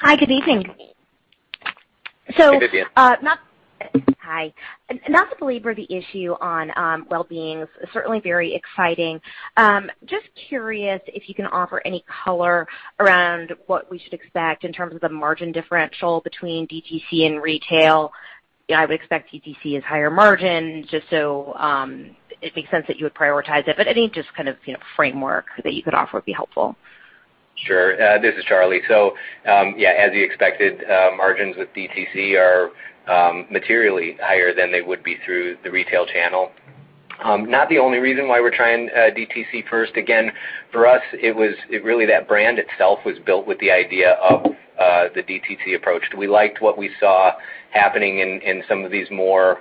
Hi, good evening. Hi, Vivian. Hi. Not to belabor the issue on Well Beings, certainly very exciting. Just curious if you can offer any color around what we should expect in terms of the margin differential between DTC and retail. I would expect DTC is higher margin, just so, it makes sense that you would prioritize it, but any just kind of, you know, framework that you could offer would be helpful. Sure. This is Charlie. So, yeah, as you expected, margins with DTC are materially higher than they would be through the retail channel. Not the only reason why we're trying DTC first. Again, for us, it was really that brand itself was built with the idea of the DTC approach. We liked what we saw happening in some of these more,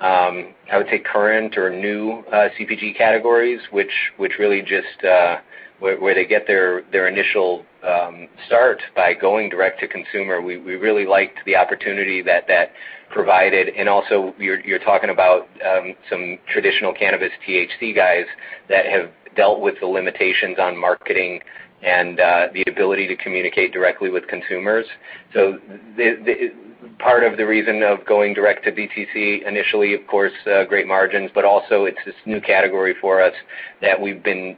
I would say, current or new CPG categories, which really just where they get their initial start by going direct to consumer. We really liked the opportunity that that provided. And also, you're talking about some traditional cannabis THC guys that have dealt with the limitations on marketing and the ability to communicate directly with consumers. So the part of the reason of going direct to DTC, initially, of course, great margins, but also it's this new category for us that we've been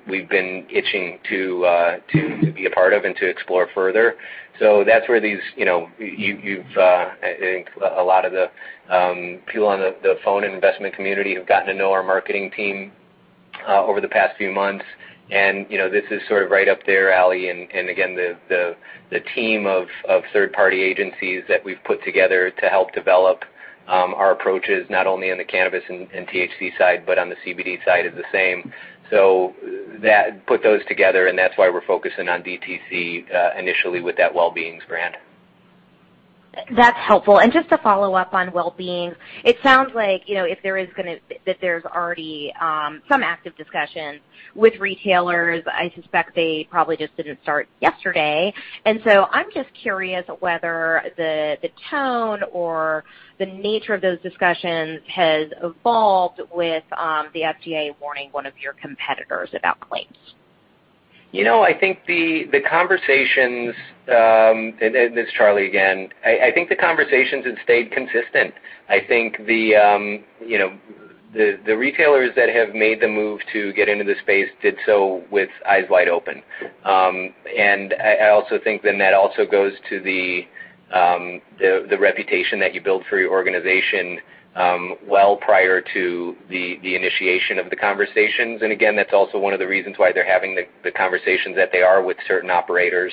itching to be a part of and to explore further. So that's where these, you know, I think a lot of the people on the phone and investment community have gotten to know our marketing team over the past few months. And, you know, this is sort of right up their alley. And again, the team of third-party agencies that we've put together to help develop our approaches, not only on the cannabis and THC side, but on the CBD side of the same. So that, put those together, and that's why we're focusing on DTC, initially with that Well Beings brand. That's helpful. And just to follow up on Well Beings, it sounds like, you know, that there's already some active discussions with retailers. I suspect they probably just didn't start yesterday. And so I'm just curious whether the tone or the nature of those discussions has evolved with the FDA warning one of your competitors about claims. You know, I think the conversations, and this is Charlie again. I think the conversations have stayed consistent. I think you know, the retailers that have made the move to get into this space did so with eyes wide open. And I also think then that also goes to the reputation that you build for your organization, well prior to the initiation of the conversations. And again, that's also one of the reasons why they're having the conversations that they are with certain operators.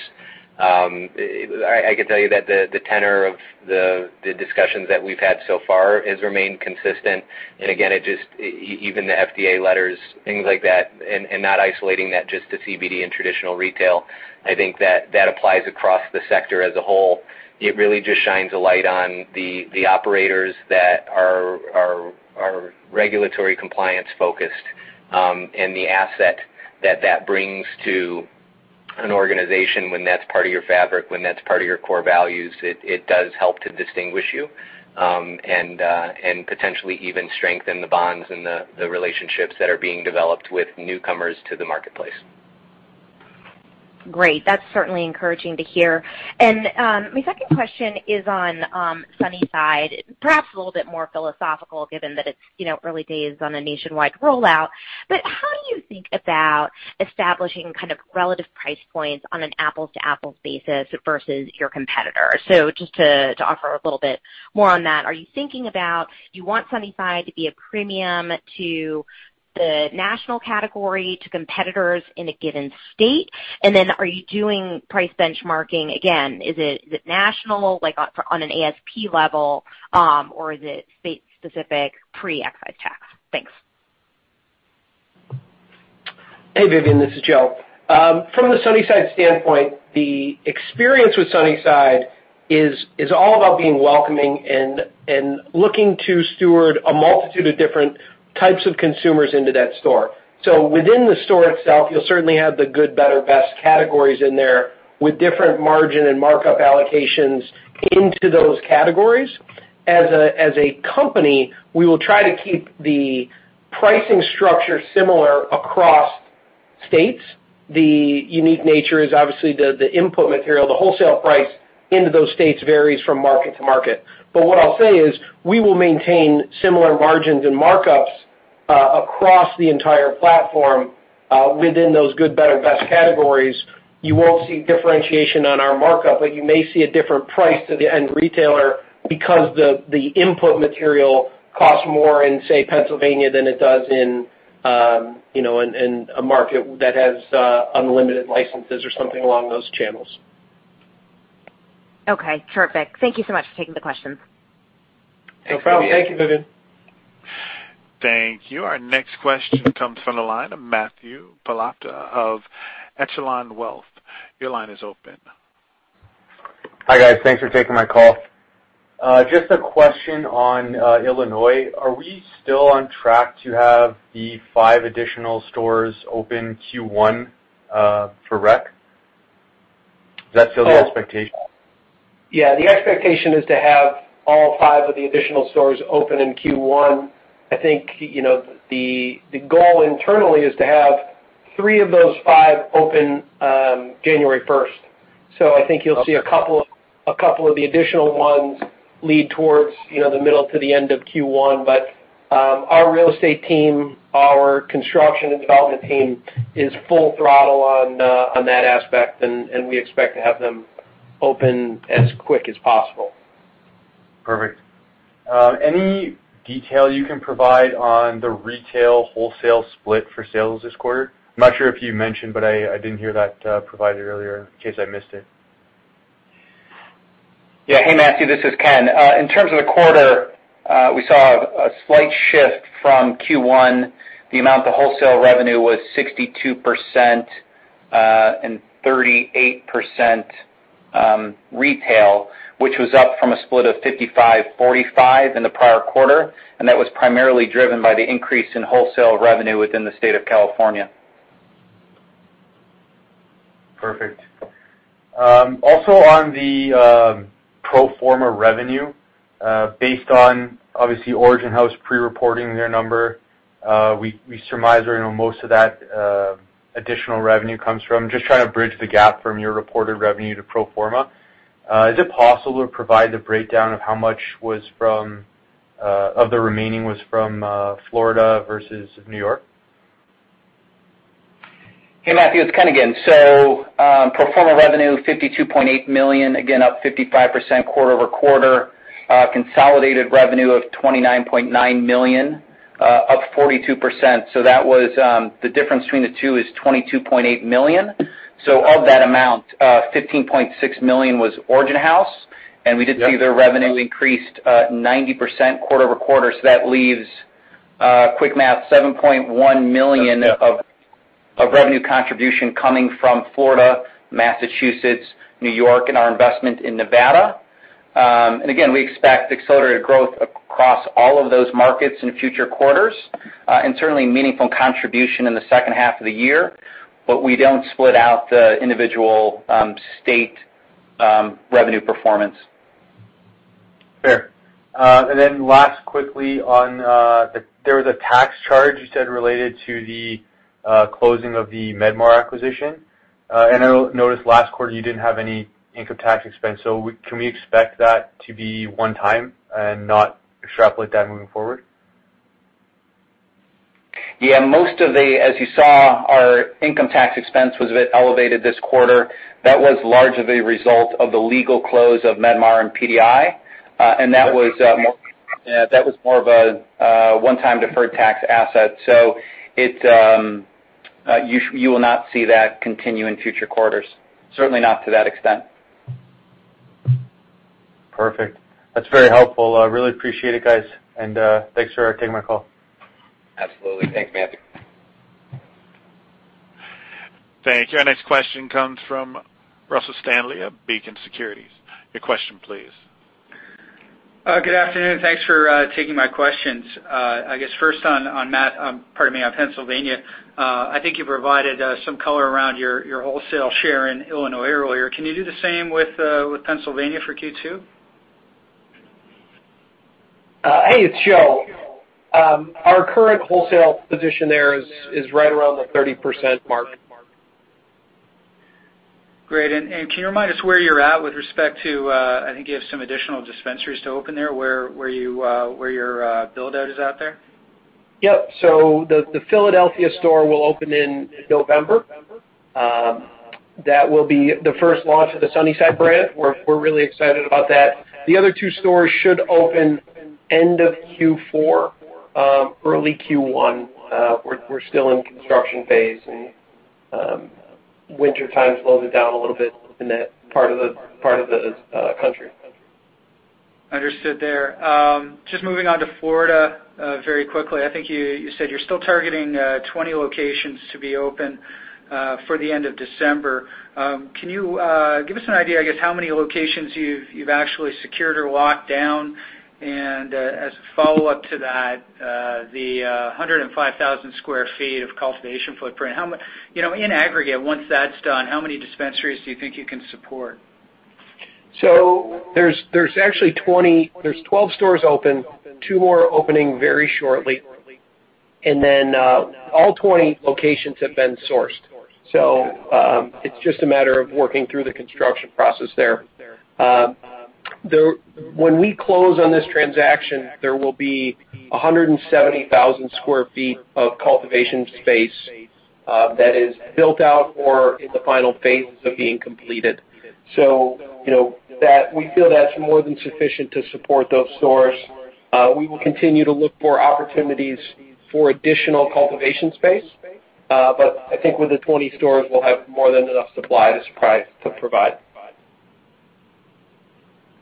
I can tell you that the tenor of the discussions that we've had so far has remained consistent. Again, it just, even the FDA letters, things like that, and not isolating that just to CBD and traditional retail, I think that applies across the sector as a whole. It really just shines a light on the operators that are regulatory compliance-focused, and the asset that brings to an organization when that's part of your fabric, when that's part of your core values, it does help to distinguish you, and potentially even strengthen the bonds and the relationships that are being developed with newcomers to the marketplace. Great. That's certainly encouraging to hear. And my second question is on Sunnyside, perhaps a little bit more philosophical, given that it's, you know, early days on a nationwide rollout. But how do you think about establishing kind of relative price points on an apples-to-apples basis versus your competitor? So just to offer a little bit more on that, are you thinking about, do you want Sunnyside to be a premium to the national category, to competitors in a given state? And then, are you doing price benchmarking again, is it national, like on an ASP level, or is it state specific, pre-excise tax? Thanks. Hey, Vivian, this is Joe. From the Sunnyside standpoint, the experience with Sunnyside is all about being welcoming and looking to steward a multitude of different types of consumers into that store. So within the store itself, you'll certainly have the good, better, best categories in there with different margin and markup allocations into those categories. As a company, we will try to keep the pricing structure similar across states. The unique nature is obviously the input material, the wholesale price into those states varies from market to market. But what I'll say is, we will maintain similar margins and markups across the entire platform within those good, better, best categories. You won't see differentiation on our markup, but you may see a different price to the end retailer because the input material costs more in, say, Pennsylvania than it does in, you know, in a market that has unlimited licenses or something along those channels. Okay, perfect. Thank you so much for taking the questions. No problem. Thank you, Vivian. Thank you. Our next question comes from the line of Matthew Pallotta of Echelon Wealth. Your line is open. Hi, guys. Thanks for taking my call. Just a question on Illinois. Are we still on track to have the five additional stores open Q1 for rec? Does that still the expectation? Yeah, the expectation is to have all five of the additional stores open in Q1. I think, you know, the goal internally is to have three of those five open January 1st. So I think you'll see a couple of the additional ones lead towards, you know, the middle to the end of Q1. But, our real estate team, our construction and development team, is full throttle on that aspect, and we expect to have them open as quick as possible. Perfect. Any detail you can provide on the retail wholesale split for sales this quarter? I'm not sure if you mentioned, but I didn't hear that, provided earlier, in case I missed it. Yeah. Hey, Matthew, this is Ken. In terms of the quarter, we saw a slight shift from Q1. The amount of wholesale revenue was 62% and 38% retail, which was up from a split of 55-45 in the prior quarter, and that was primarily driven by the increase in wholesale revenue within the state of California. Perfect. Also on the pro forma revenue, based on obviously Origin House pre-reporting their number, we surmise where, you know, most of that additional revenue comes from. Just trying to bridge the gap from your reported revenue to pro forma. Is it possible to provide the breakdown of how much was from, of the remaining was from, Florida versus New York? Hey, Matthew, it's Ken again. So pro forma revenue, $52.8 million, again, up 55% quarter-over-quarter. Consolidated revenue of $29.9 million, up 42%. So that was the difference between the two is $22.8 million. So of that amount, $15.6 million was Origin House, and we did see their revenue increased 90% quarter-over-quarter. So that leaves quick math, $7.1 million- Yeah... of revenue contribution coming from Florida, Massachusetts, New York, and our investment in Nevada. And again, we expect accelerated growth across all of those markets in future quarters, and certainly meaningful contribution in the second half of the year. But we don't split out the individual state revenue performance. Fair. And then last, quickly on the. There was a tax charge you said related to the closing of the MedMar acquisition. And I noticed last quarter you didn't have any income tax expense. So can we expect that to be one time and not extrapolate that moving forward? Yeah, most of the, as you saw, our income tax expense was a bit elevated this quarter. That was largely the result of the legal close of MedMar and PDI, and that was more, yeah, that was more of a one-time deferred tax asset. So it, you will not see that continue in future quarters, certainly not to that extent. Perfect. That's very helpful. I really appreciate it, guys, and thanks for taking my call. Absolutely. Thanks, Matthew. Thank you. Our next question comes from Russell Stanley of Beacon Securities. Your question, please. Good afternoon. Thanks for taking my questions. I guess first on, pardon me, on Pennsylvania. I think you provided some color around your wholesale share in Illinois earlier. Can you do the same with Pennsylvania for Q2? Hey, it's Joe. Our current wholesale position there is right around the 30% mark. Great. And can you remind us where you're at with respect to, I think you have some additional dispensaries to open there, where your build-out is out there? Yep. So the Philadelphia store will open in November. That will be the first launch of the Sunnyside brand. We're really excited about that. The other two stores should open end of Q4, early Q1. We're still in construction phase, and winter time slows it down a little bit in that part of the country. Understood there. Just moving on to Florida, very quickly. I think you said you're still targeting 20 locations to be open for the end of December. Can you give us an idea, I guess, how many locations you've actually secured or locked down? And as a follow-up to that, the 105,000 sq ft of cultivation footprint. You know, in aggregate, once that's done, how many dispensaries do you think you can support? There's actually 12 stores open, two more opening very shortly, and then all 20 locations have been sourced. It's just a matter of working through the construction process there. When we close on this transaction, there will be 170,000 sq ft of cultivation space that is built out or in the final phase of being completed. You know, we feel that's more than sufficient to support those stores. We will continue to look for opportunities for additional cultivation space, but I think with the 20 stores, we'll have more than enough supply to provide.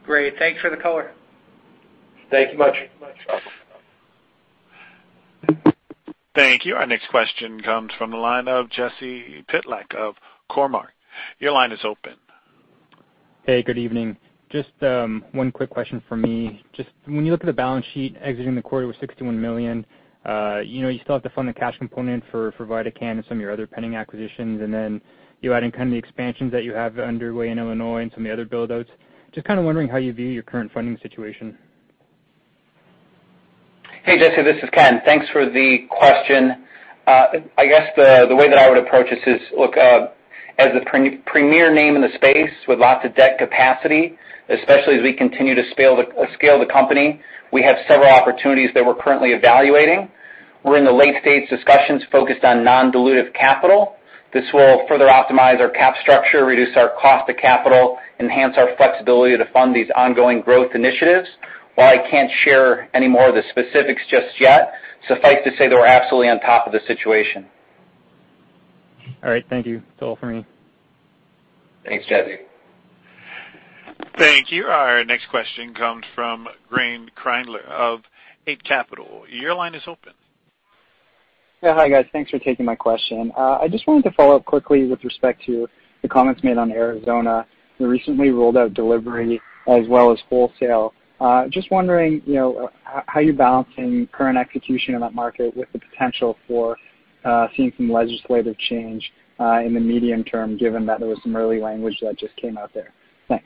Great. Thanks for the color. Thank you much. Thank you. Our next question comes from the line of Jesse Pytlak of Cormark. Your line is open. Hey, good evening. Just one quick question from me. Just when you look at the balance sheet exiting the quarter with $61 million, you know, you still have to fund the cash component for, for VidaCann and some of your other pending acquisitions, and then you add in kind of the expansions that you have underway in Illinois and some of the other build-outs. Just kind of wondering how you view your current funding situation. Hey, Jesse, this is Ken. Thanks for the question. I guess the way that I would approach this is, look, as a premier name in the space with lots of debt capacity, especially as we continue to scale the company, we have several opportunities that we're currently evaluating. We're in the late-stage discussions focused on non-dilutive capital. This will further optimize our cap structure, reduce our cost of capital, enhance our flexibility to fund these ongoing growth initiatives. While I can't share any more of the specifics just yet, suffice to say that we're absolutely on top of the situation. All right. Thank you. That's all for me. Thanks, Jesse. Thank you. Our next question comes from Graeme Kreindler of Eight Capital. Your line is open. Yeah. Hi, guys. Thanks for taking my question. I just wanted to follow up quickly with respect to the comments made on Arizona. You recently rolled out delivery as well as wholesale. Just wondering, you know, how you're balancing current execution in that market with the potential for seeing some legislative change in the medium term, given that there was some early language that just came out there? Thanks.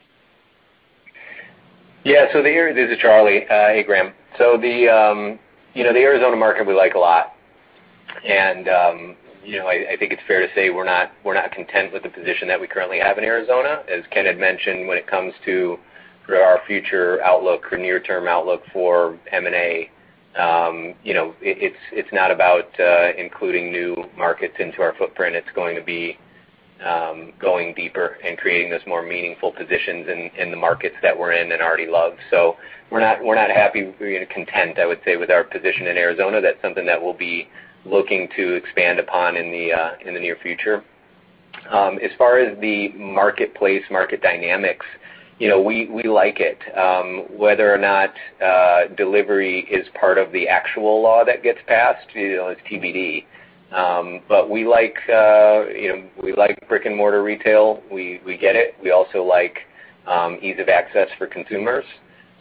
Yeah, this is Charlie. Hey, Graeme. So, you know, the Arizona market we like a lot. And, you know, I think it's fair to say we're not content with the position that we currently have in Arizona. As Ken had mentioned, when it comes to our future outlook or near-term outlook for M&A, you know, it's not about including new markets into our footprint. It's going to be going deeper and creating this more meaningful positions in the markets that we're in and already love. So we're not happy, we're content, I would say, with our position in Arizona. That's something that we'll be looking to expand upon in the near future. As far as the marketplace, market dynamics, you know, we like it. Whether or not delivery is part of the actual law that gets passed, you know, is TBD. But we like, you know, we like brick-and-mortar retail. We, we get it. We also like ease of access for consumers.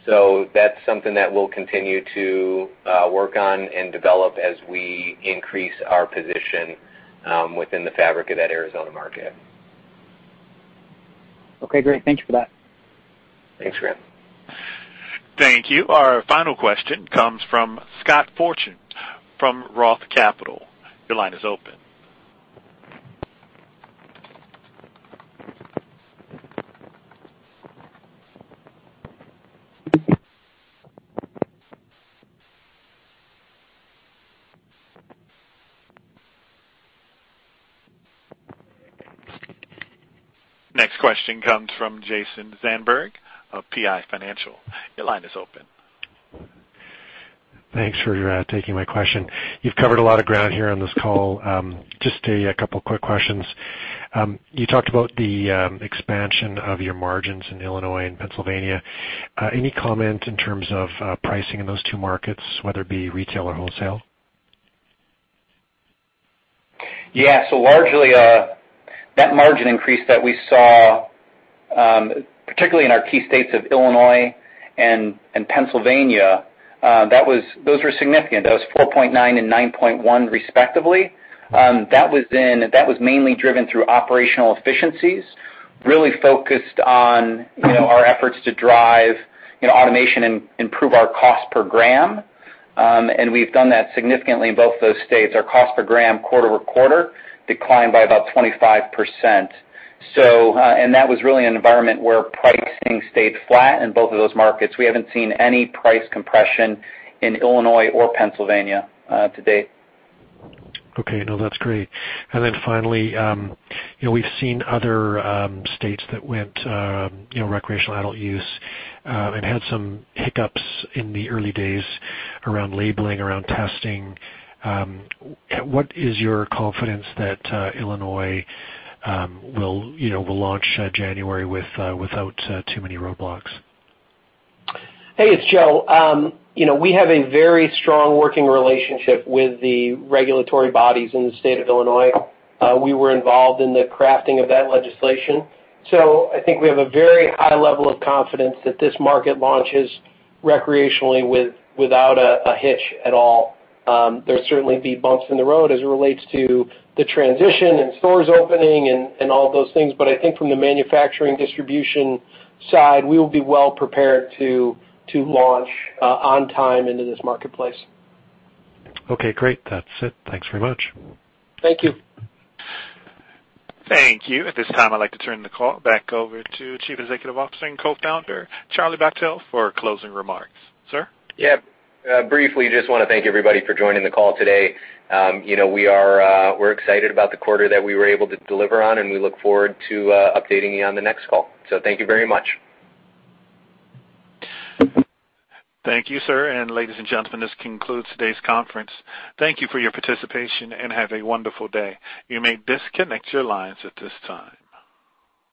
So that's something that we'll continue to work on and develop as we increase our position within the fabric of that Arizona market. Okay, great. Thank you for that. Thanks, Graeme. Thank you. Our final question comes from Scott Fortune from Roth Capital. Your line is open. Next question comes from Jason Zandberg of PI Financial. Your line is open. Thanks for taking my question. You've covered a lot of ground here on this call. Just a couple of quick questions. You talked about the expansion of your margins in Illinois and Pennsylvania. Any comment in terms of pricing in those two markets, whether it be retail or wholesale? Yeah, so largely, that margin increase that we saw, particularly in our key states of Illinois and Pennsylvania, that was, those were significant. That was 4.9 and 9.1 respectively. That was mainly driven through operational efficiencies, really focused on, you know, our efforts to drive, you know, automation and improve our cost per gram. And we've done that significantly in both those states. Our cost per gram, quarter-over-quarter, declined by about 25%. So, and that was really an environment where pricing stayed flat in both of those markets. We haven't seen any price compression in Illinois or Pennsylvania, to date. Okay. No, that's great. And then finally, you know, we've seen other states that went, you know, recreational adult use, and had some hiccups in the early days around labeling, around testing. What is your confidence that Illinois will, you know, launch January without too many roadblocks? Hey, it's Joe. You know, we have a very strong working relationship with the regulatory bodies in the state of Illinois. We were involved in the crafting of that legislation, so I think we have a very high level of confidence that this market launches recreationally without a hitch at all. There's certainly be bumps in the road as it relates to the transition and stores opening and all those things, but I think from the manufacturing, distribution side, we will be well prepared to launch on time into this marketplace. Okay, great. That's it. Thanks very much. Thank you. Thank you. At this time, I'd like to turn the call back over to Chief Executive Officer and Co-founder, Charlie Bachtell, for closing remarks. Sir? Yeah. Briefly, just want to thank everybody for joining the call today. You know, we are, we're excited about the quarter that we were able to deliver on, and we look forward to updating you on the next call. So thank you very much. Thank you, sir, and ladies and gentlemen. This concludes today's conference. Thank you for your participation, and have a wonderful day. You may disconnect your lines at this time.